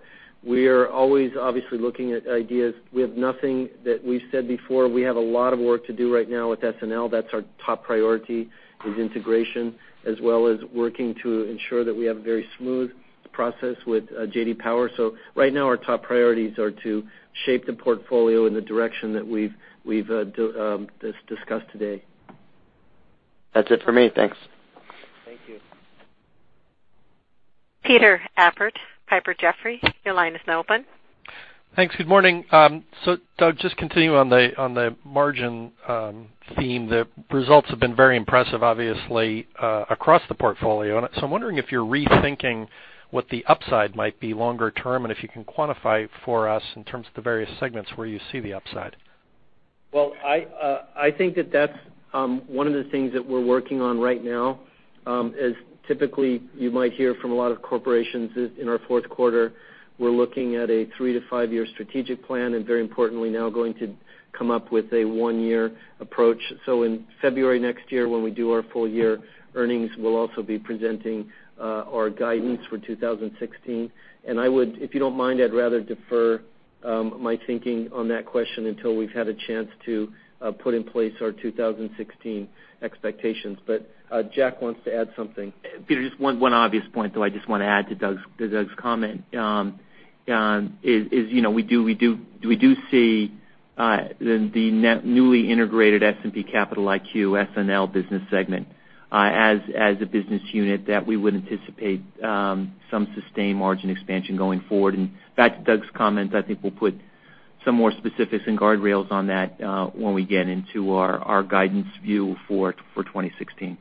We are always obviously looking at ideas. We have nothing that we've said before. We have a lot of work to do right now with SNL. That's our top priority is integration, as well as working to ensure that we have a very smooth process with J.D. Power. Right now our top priorities are to shape the portfolio in the direction that we've discussed today. That's it for me. Thanks. Thank you. Peter Appert, Piper Jaffray, your line is now open. Thanks. Good morning. Doug, just continuing on the margin theme, the results have been very impressive, obviously, across the portfolio. I'm wondering if you're rethinking what the upside might be longer term, and if you can quantify for us in terms of the various segments where you see the upside. Well, I think that that's one of the things that we're working on right now. As typically you might hear from a lot of corporations in our fourth quarter, we're looking at a 3-5-year strategic plan, very importantly, now going to come up with a 1-year approach. In February next year, when we do our full-year earnings, we'll also be presenting our guidance for 2016. If you don't mind, I'd rather defer my thinking on that question until we've had a chance to put in place our 2016 expectations. Jack wants to add something. Peter, just one obvious point though I just want to add to Doug's comment is we do see the newly integrated S&P Capital IQ, SNL business segment as a business unit that we would anticipate some sustained margin expansion going forward. Back to Doug's comment, I think we'll put some more specifics and guardrails on that when we get into our guidance view for 2016.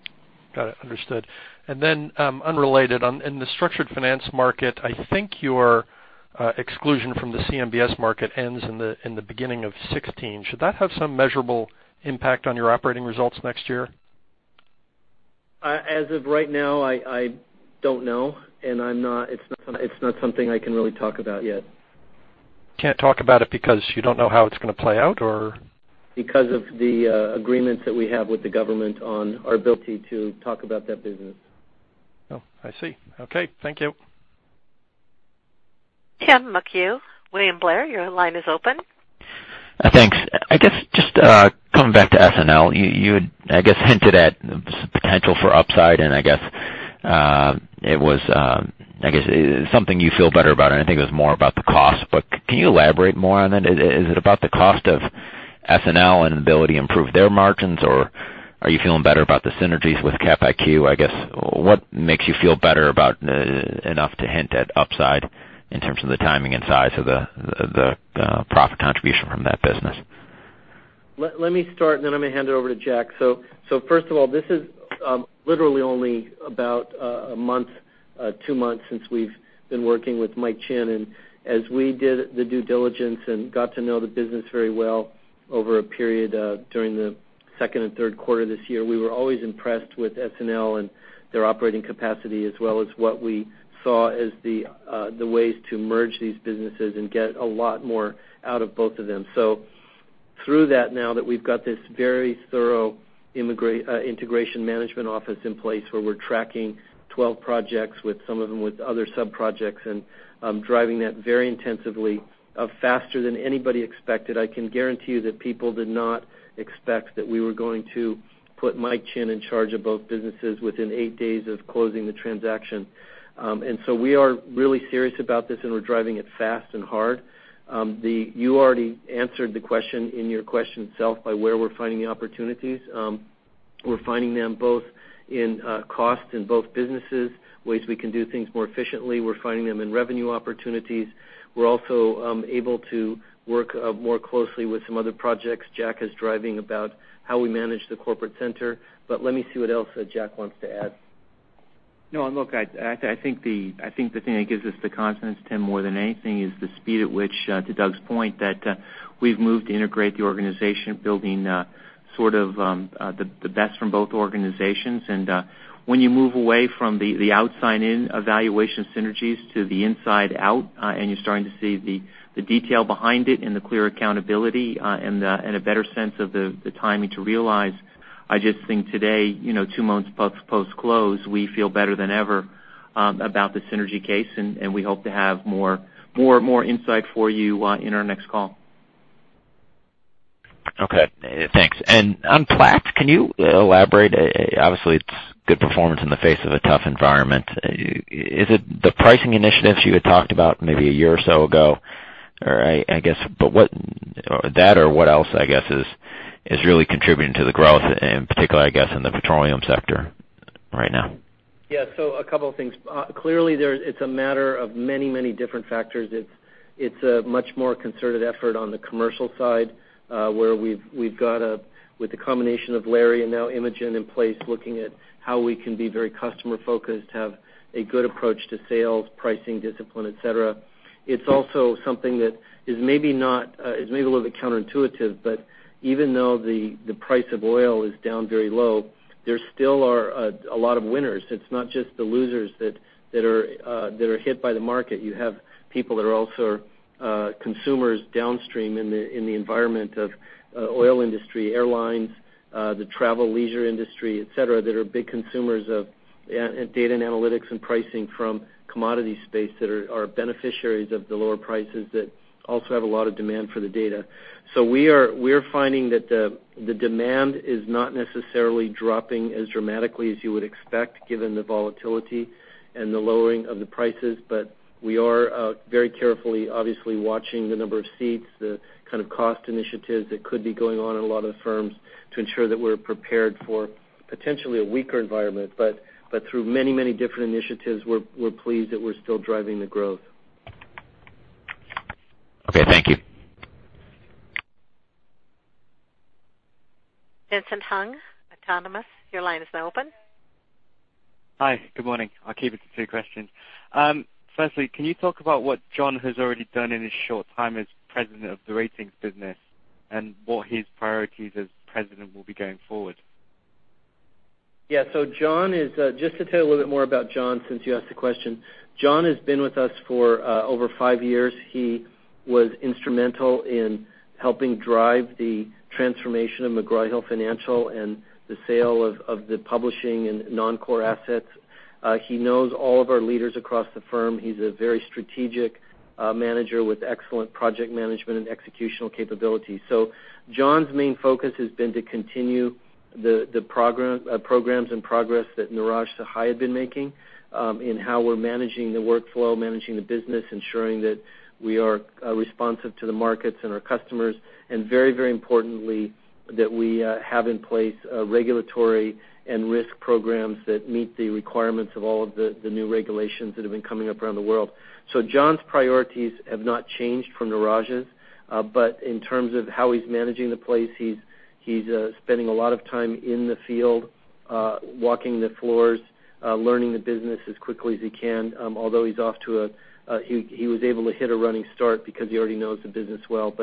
Got it. Understood. Unrelated, in the structured finance market, I think your exclusion from the CMBS market ends in the beginning of 2016. Should that have some measurable impact on your operating results next year? As of right now, I don't know. It's not something I can really talk about yet. Can't talk about it because you don't know how it's going to play out, or? Because of the agreements that we have with the government on our ability to talk about that business. Oh, I see. Okay. Thank you. Tim McHugh, William Blair, your line is open. Thanks. I guess, just coming back to SNL, you had hinted at potential for upside. I guess it was something you feel better about, and I think it was more about the cost. Can you elaborate more on it? Is it about the cost of SNL and ability to improve their margins, or are you feeling better about the synergies with S&P Capital IQ? I guess, what makes you feel better about enough to hint at upside in terms of the timing and size of the profit contribution from that business? Let me start. I'm going to hand it over to Jack. First of all, this is literally only about a month, two months since we've been working with Mike Chinn. As we did the due diligence and got to know the business very well over a period during the second and third quarter this year, we were always impressed with SNL and their operating capacity, as well as what we saw as the ways to merge these businesses and get a lot more out of both of them. Through that, now that we've got this very thorough integration management office in place, where we're tracking 12 projects with some of them with other sub-projects, and driving that very intensively, faster than anybody expected. I can guarantee you that people did not expect that we were going to put Mike Chinn in charge of both businesses within eight days of closing the transaction. We are really serious about this, and we're driving it fast and hard. You already answered the question in your question itself by where we're finding the opportunities. We're finding them both in cost in both businesses, ways we can do things more efficiently. We're finding them in revenue opportunities. We're also able to work more closely with some other projects Jack is driving about how we manage the corporate center. Let me see what else Jack wants to add. I think the thing that gives us the confidence, Tim, more than anything, is the speed at which, to Doug's point, that we've moved to integrate the organization, building sort of the best from both organizations. When you move away from the outside in evaluation synergies to the inside out, and you're starting to see the detail behind it and the clear accountability, and a better sense of the timing to realize, I just think today, two months post-close, we feel better than ever about the synergy case. We hope to have more insight for you in our next call. Okay, thanks. On Platts, can you elaborate? Obviously, it's good performance in the face of a tough environment. Is it the pricing initiatives you had talked about maybe a year or so ago? That or what else, I guess, is really contributing to the growth, in particular, I guess, in the petroleum sector right now? Yeah. A couple of things. Clearly, it's a matter of many different factors. It's a much more concerted effort on the commercial side, where we've got with the combination of Larry and now Imogen in place, looking at how we can be very customer-focused, have a good approach to sales, pricing discipline, et cetera. It's also something that is maybe a little bit counterintuitive, but even though the price of oil is down very low, there still are a lot of winners. It's not just the losers that are hit by the market. You have people that are also consumers downstream in the environment of oil industry, airlines, the travel leisure industry, et cetera, that are big consumers of data and analytics and pricing from commodity space that are beneficiaries of the lower prices that also have a lot of demand for the data. We're finding that the demand is not necessarily dropping as dramatically as you would expect, given the volatility and the lowering of the prices. We are very carefully, obviously, watching the number of seats, the kind of cost initiatives that could be going on in a lot of the firms to ensure that we're prepared for potentially a weaker environment. Through many different initiatives, we're pleased that we're still driving the growth. Okay, thank you. Vincent Hung, Autonomous, your line is now open. Hi, good morning. I'll keep it to two questions. Firstly, can you talk about what John has already done in his short time as president of the ratings business, and what his priorities as president will be going forward? Just to tell a little bit more about John, since you asked the question. John has been with us for over five years. He was instrumental in helping drive the transformation of McGraw Hill Financial and the sale of the publishing and non-core assets. He knows all of our leaders across the firm. He's a very strategic manager with excellent project management and executional capabilities. John's main focus has been to continue the programs and progress that Neeraj Sahai had been making in how we're managing the workflow, managing the business, ensuring that we are responsive to the markets and our customers, and very importantly, that we have in place regulatory and risk programs that meet the requirements of all of the new regulations that have been coming up around the world. John's priorities have not changed from Neeraj's. In terms of how he's managing the place, he's spending a lot of time in the field, walking the floors, learning the business as quickly as he can. Although he was able to hit a running start because he already knows the business well.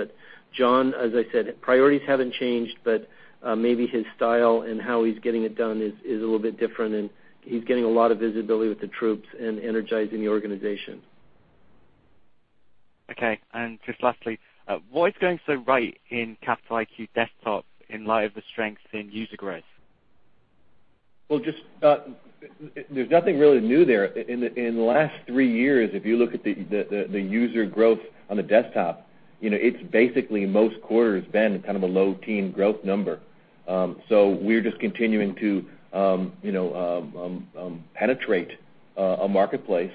John, as I said, priorities haven't changed, but maybe his style and how he's getting it done is a little bit different, and he's getting a lot of visibility with the troops and energizing the organization. Okay. Just lastly, what is going so right in Capital IQ Desktop in light of the strength in user growth? Well, there's nothing really new there. In the last three years, if you look at the user growth on the Desktop, it's basically most quarters been a low teen growth number. We're just continuing to penetrate a marketplace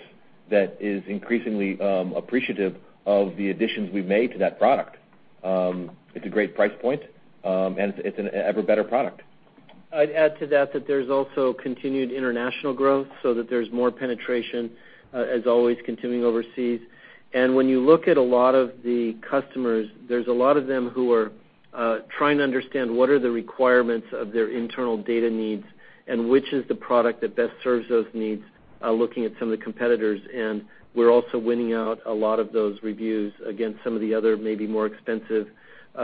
that is increasingly appreciative of the additions we've made to that product. It's a great price point, and it's an ever better product. I'd add to that there's also continued international growth, so that there's more penetration, as always, continuing overseas. When you look at a lot of the customers, there's a lot of them who are trying to understand what are the requirements of their internal data needs and which is the product that best serves those needs, looking at some of the competitors. We're also winning out a lot of those reviews against some of the other, maybe more expensive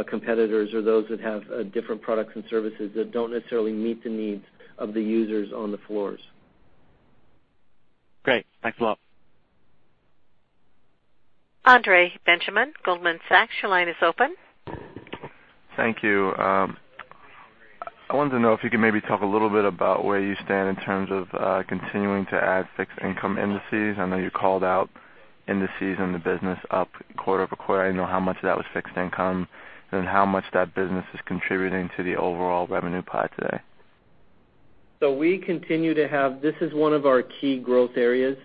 competitors or those that have different products and services that don't necessarily meet the needs of the users on the floors. Great. Thanks a lot. Andre Benjamin, Goldman Sachs, your line is open. Thank you. I wanted to know if you could maybe talk a little bit about where you stand in terms of continuing to add fixed income indices. I know you called out indices in the business up quarter-over-quarter. I didn't know how much of that was fixed income and how much that business is contributing to the overall revenue pie today. We continue to have This is one of our key growth areas.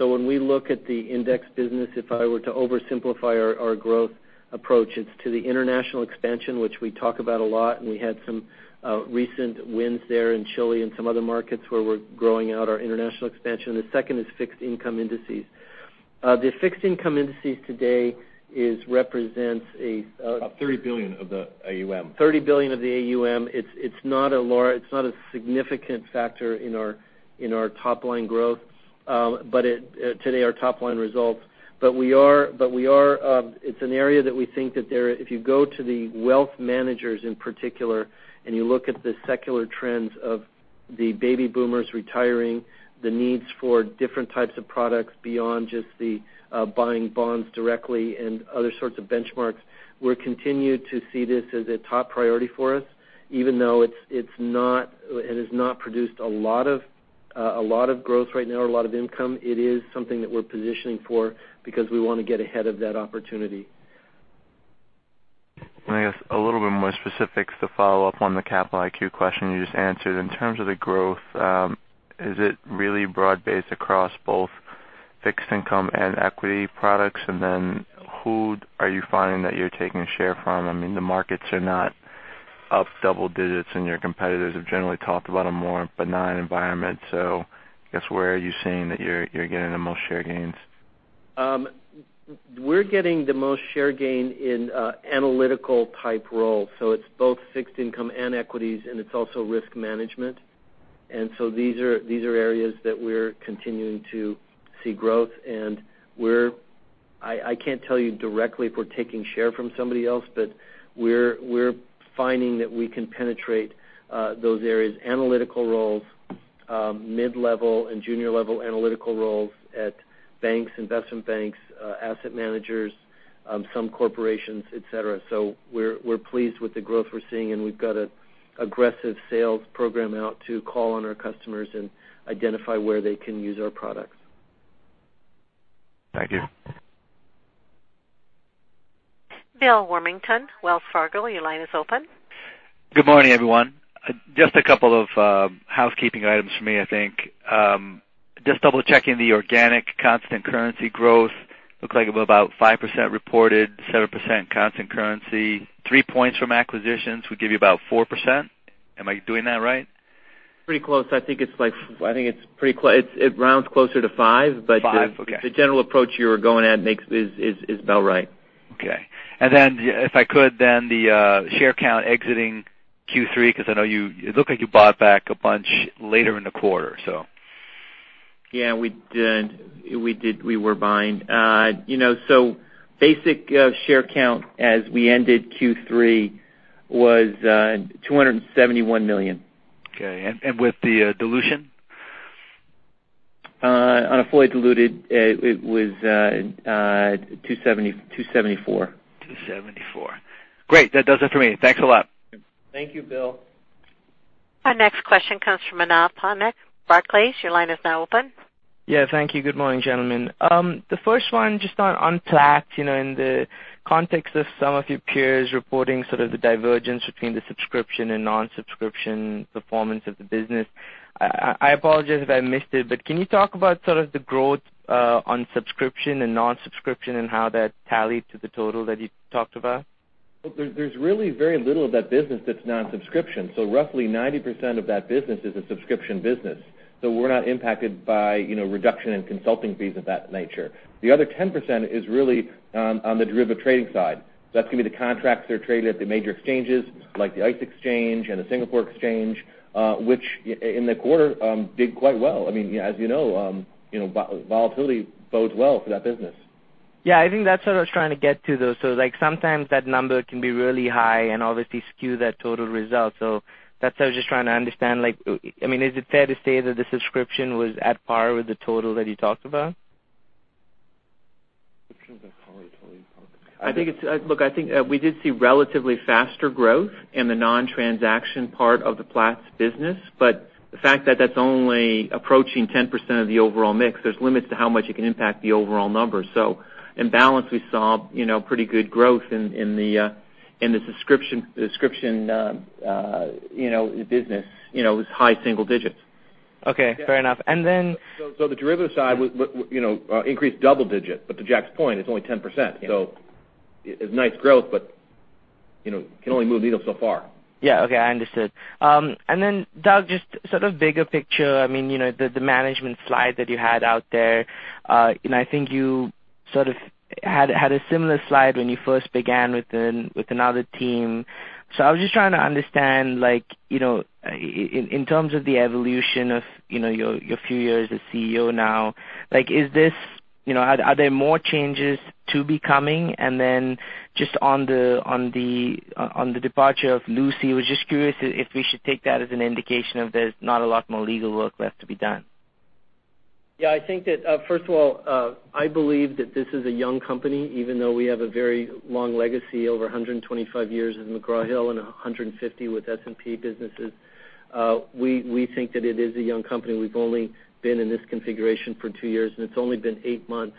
When we look at the index business, if I were to oversimplify our growth approach, it's to the international expansion, which we talk about a lot, and we had some recent wins there in Chile and some other markets where we're growing out our international expansion. The second is fixed income indices. The fixed income indices today represents a- About $30 billion of the AUM. $30 billion of the AUM. It's not a significant factor in our top line growth. Today, our top line results. It's an area that we think that if you go to the wealth managers in particular and you look at the secular trends of the baby boomers retiring, the needs for different types of products beyond just the buying bonds directly and other sorts of benchmarks. We continue to see this as a top priority for us, even though it has not produced a lot of growth right now or a lot of income. It is something that we're positioning for because we want to get ahead of that opportunity. I guess a little bit more specifics to follow up on the S&P Capital IQ question you just answered. In terms of the growth, is it really broad-based across both fixed income and equity products? Who are you finding that you're taking share from? I mean, the markets are not up double digits, and your competitors have generally talked about a more benign environment. I guess, where are you seeing that you're getting the most share gains? We're getting the most share gain in analytical type role. It's both fixed income and equities, and it's also risk management. These are areas that we're continuing to see growth. I can't tell you directly if we're taking share from somebody else, but we're finding that we can penetrate those areas, analytical roles, mid-level and junior level analytical roles at banks, investment banks, asset managers, some corporations, et cetera. We're pleased with the growth we're seeing, and we've got an aggressive sales program out to call on our customers and identify where they can use our products. Thank you. Bill Warmington, Wells Fargo, your line is open. Good morning, everyone. Just a couple of housekeeping items for me, I think. Just double-checking the organic constant currency growth. Looked like about 5% reported, 7% constant currency, three points from acquisitions would give you about 4%. Am I doing that right? Pretty close. I think it rounds closer to five. Five. Okay. The general approach you're going at is about right. Okay. If I could, the share count exiting Q3, because it looked like you bought back a bunch later in the quarter. Yeah, we did. We were buying. Basic share count as we ended Q3 was $271 million. Okay. With the dilution? On a fully diluted, it was $274. $274. Great. That does it for me. Thanks a lot. Thank you, Bill. Our next question comes from Manav Patnaik, Barclays. Your line is now open. Thank you. Good morning, gentlemen. The first one, just on Platts, in the context of some of your peers reporting sort of the divergence between the subscription and non-subscription performance of the business. I apologize if I missed it, can you talk about sort of the growth on subscription and non-subscription and how that tallied to the total that you talked about? There's really very little of that business that's non-subscription. Roughly 90% of that business is a subscription business. We're not impacted by reduction in consulting fees of that nature. The other 10% is really on the derivative trading side. That's going to be the contracts that are traded at the major exchanges, like the ICE exchange and the Singapore exchange, which in the quarter did quite well. As you know, volatility bodes well for that business. I think that's what I was trying to get to, though. Sometimes that number can be really high and obviously skew that total result. That's what I was just trying to understand. Is it fair to say that the subscription was at par with the total that you talked about? Subscriptions are hard to really talk about. Look, I think we did see relatively faster growth in the non-transaction part of the Platts business, but the fact that that's only approaching 10% of the overall mix, there's limits to how much it can impact the overall number. In balance, we saw pretty good growth in the subscription business. It was high single digits. Okay. Fair enough. The derivative side increased double digits, but to Jack's point, it's only 10%. It's nice growth, but can only move the needle so far. Yeah. Okay. I understood. Doug, just sort of bigger picture, the management slide that you had out there, and I think you sort of had a similar slide when you first began with another team. I was just trying to understand, in terms of the evolution of your few years as CEO now, are there more changes to be coming? Just on the departure of Lucy, I was just curious if we should take that as an indication of there's not a lot more legal work left to be done. I think that, first of all, I believe that this is a young company, even though we have a very long legacy, over 125 years in McGraw Hill and 150 with S&P businesses. We think that it is a young company. We've only been in this configuration for two years, and it's only been eight months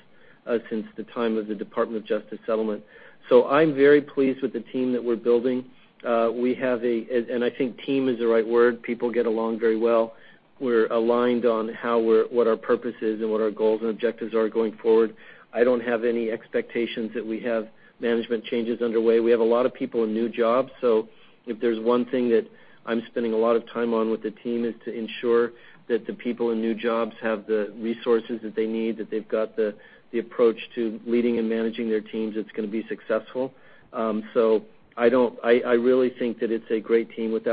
since the time of the Department of Justice settlement. I'm very pleased with the team that we're building. I think team is the right word. People get along very well. We're aligned on what our purpose is and what our goals and objectives are going forward. I don't have any expectations that we have management changes underway. We have a lot of people in new jobs. If there's one thing that I'm spending a lot of time on with the team is to ensure that the people in new jobs have the resources that they need, that they've got the approach to leading and managing their teams that's going to be successful. I really think that it's a great team with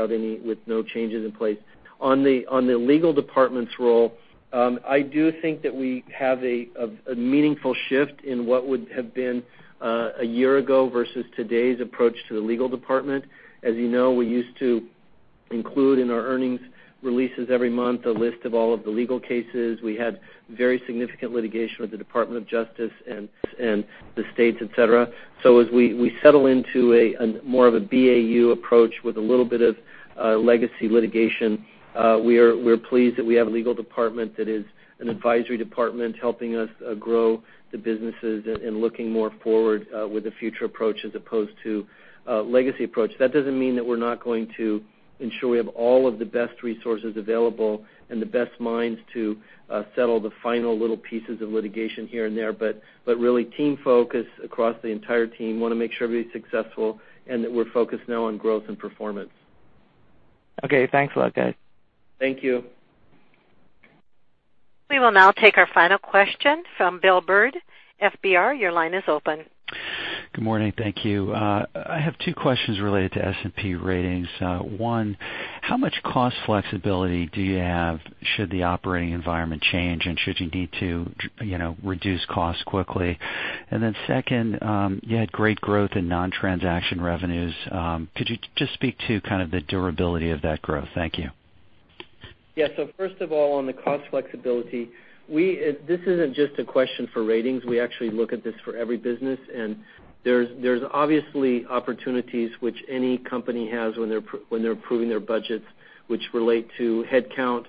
no changes in place. On the legal department's role, I do think that we have a meaningful shift in what would have been a year ago versus today's approach to the legal department. As you know, we used to include in our earnings releases every month, a list of all of the legal cases. We had very significant litigation with the Department of Justice and the states, et cetera. As we settle into more of a BAU approach with a little bit of legacy litigation, we're pleased that we have a legal department that is an advisory department helping us grow the businesses and looking more forward with a future approach as opposed to a legacy approach. That doesn't mean that we're not going to ensure we have all of the best resources available and the best minds to settle the final little pieces of litigation here and there. Really team-focused across the entire team, want to make sure everybody's successful, and that we're focused now on growth and performance. Okay. Thanks a lot, guys. Thank you. We will now take our final question from Bill Bird, FBR. Your line is open. Good morning. Thank you. I have two questions related to S&P Ratings. One, how much cost flexibility do you have should the operating environment change and should you need to reduce costs quickly? Second, you had great growth in non-transaction revenues. Could you just speak to kind of the durability of that growth? Thank you. Yeah. First of all, on the cost flexibility, this isn't just a question for Ratings. We actually look at this for every business. There's obviously opportunities which any company has when they're approving their budgets, which relate to headcount.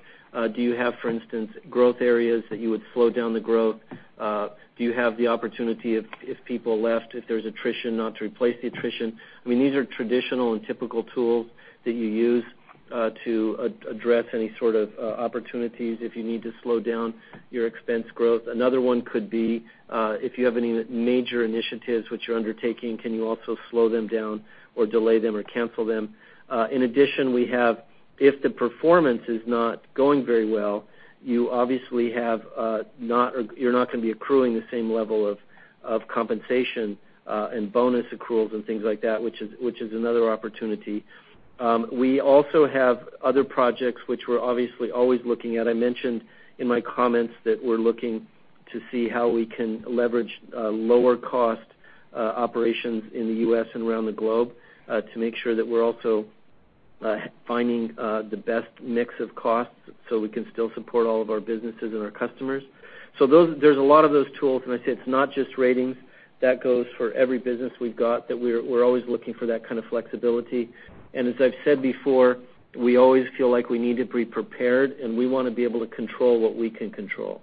Do you have, for instance, growth areas that you would slow down the growth? Do you have the opportunity if people left, if there's attrition, not to replace the attrition? These are traditional and typical tools that you use to address any sort of opportunities if you need to slow down your expense growth. Another one could be if you have any major initiatives which you're undertaking, can you also slow them down or delay them or cancel them? In addition, we have, if the performance is not going very well, obviously, you're not going to be accruing the same level of compensation and bonus accruals and things like that, which is another opportunity. We also have other projects, which we're obviously always looking at. I mentioned in my comments that we're looking to see how we can leverage lower cost operations in the U.S. and around the globe to make sure that we're also finding the best mix of costs so we can still support all of our businesses and our customers. There's a lot of those tools, and I say it's not just ratings. That goes for every business we've got, that we're always looking for that kind of flexibility. As I've said before, we always feel like we need to be prepared, and we want to be able to control what we can control.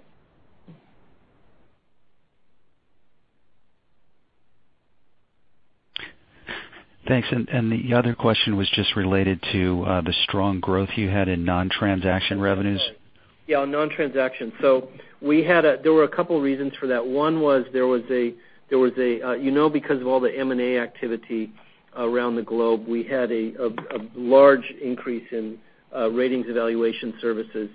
Thanks. The other question was just related to the strong growth you had in non-transaction revenues. Yeah, non-transaction. There were a couple of reasons for that. One was, because of all the M&A activity around the globe, we had a large increase in ratings evaluation services.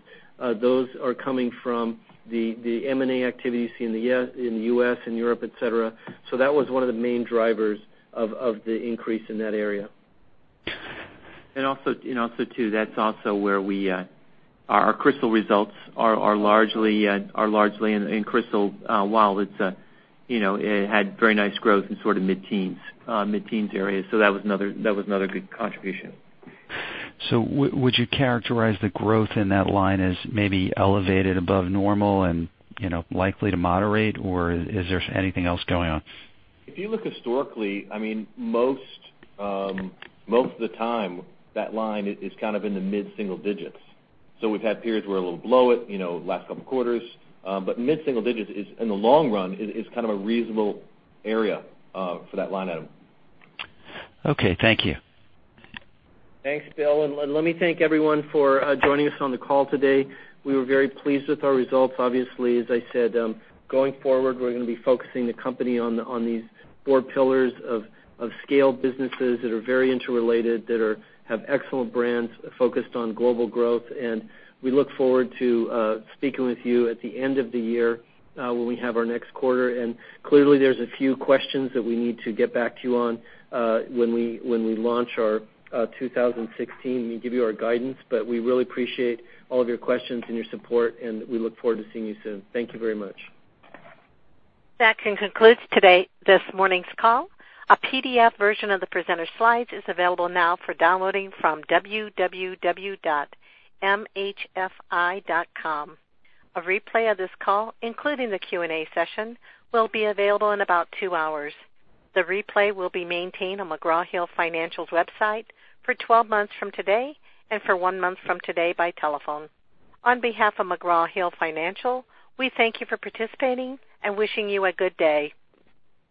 Those are coming from the M&A activity you see in the U.S. and Europe, et cetera. That was one of the main drivers of the increase in that area. Also too, that's also where our Crystal results are largely in Crystal, while it had very nice growth in sort of mid-teens area. That was another good contribution. Would you characterize the growth in that line as maybe elevated above normal and likely to moderate, or is there anything else going on? If you look historically, most of the time, that line is kind of in the mid-single digits. We've had periods where we're a little below it, last couple of quarters. Mid-single digits in the long run is kind of a reasonable area for that line item. Okay, thank you. Thanks, Bill. Let me thank everyone for joining us on the call today. We were very pleased with our results. Obviously, as I said, going forward, we're going to be focusing the company on these four pillars of scale businesses that are very interrelated, that have excellent brands, focused on global growth. We look forward to speaking with you at the end of the year when we have our next quarter. Clearly, there's a few questions that we need to get back to you on when we launch our 2016, we give you our guidance. We really appreciate all of your questions and your support, and we look forward to seeing you soon. Thank you very much. That concludes this morning's call. A PDF version of the presenter slides is available now for downloading from www.mhfi.com. A replay of this call, including the Q&A session, will be available in about two hours. The replay will be maintained on McGraw Hill Financial's website for 12 months from today and for one month from today by telephone. On behalf of McGraw Hill Financial, we thank you for participating and wishing you a good day.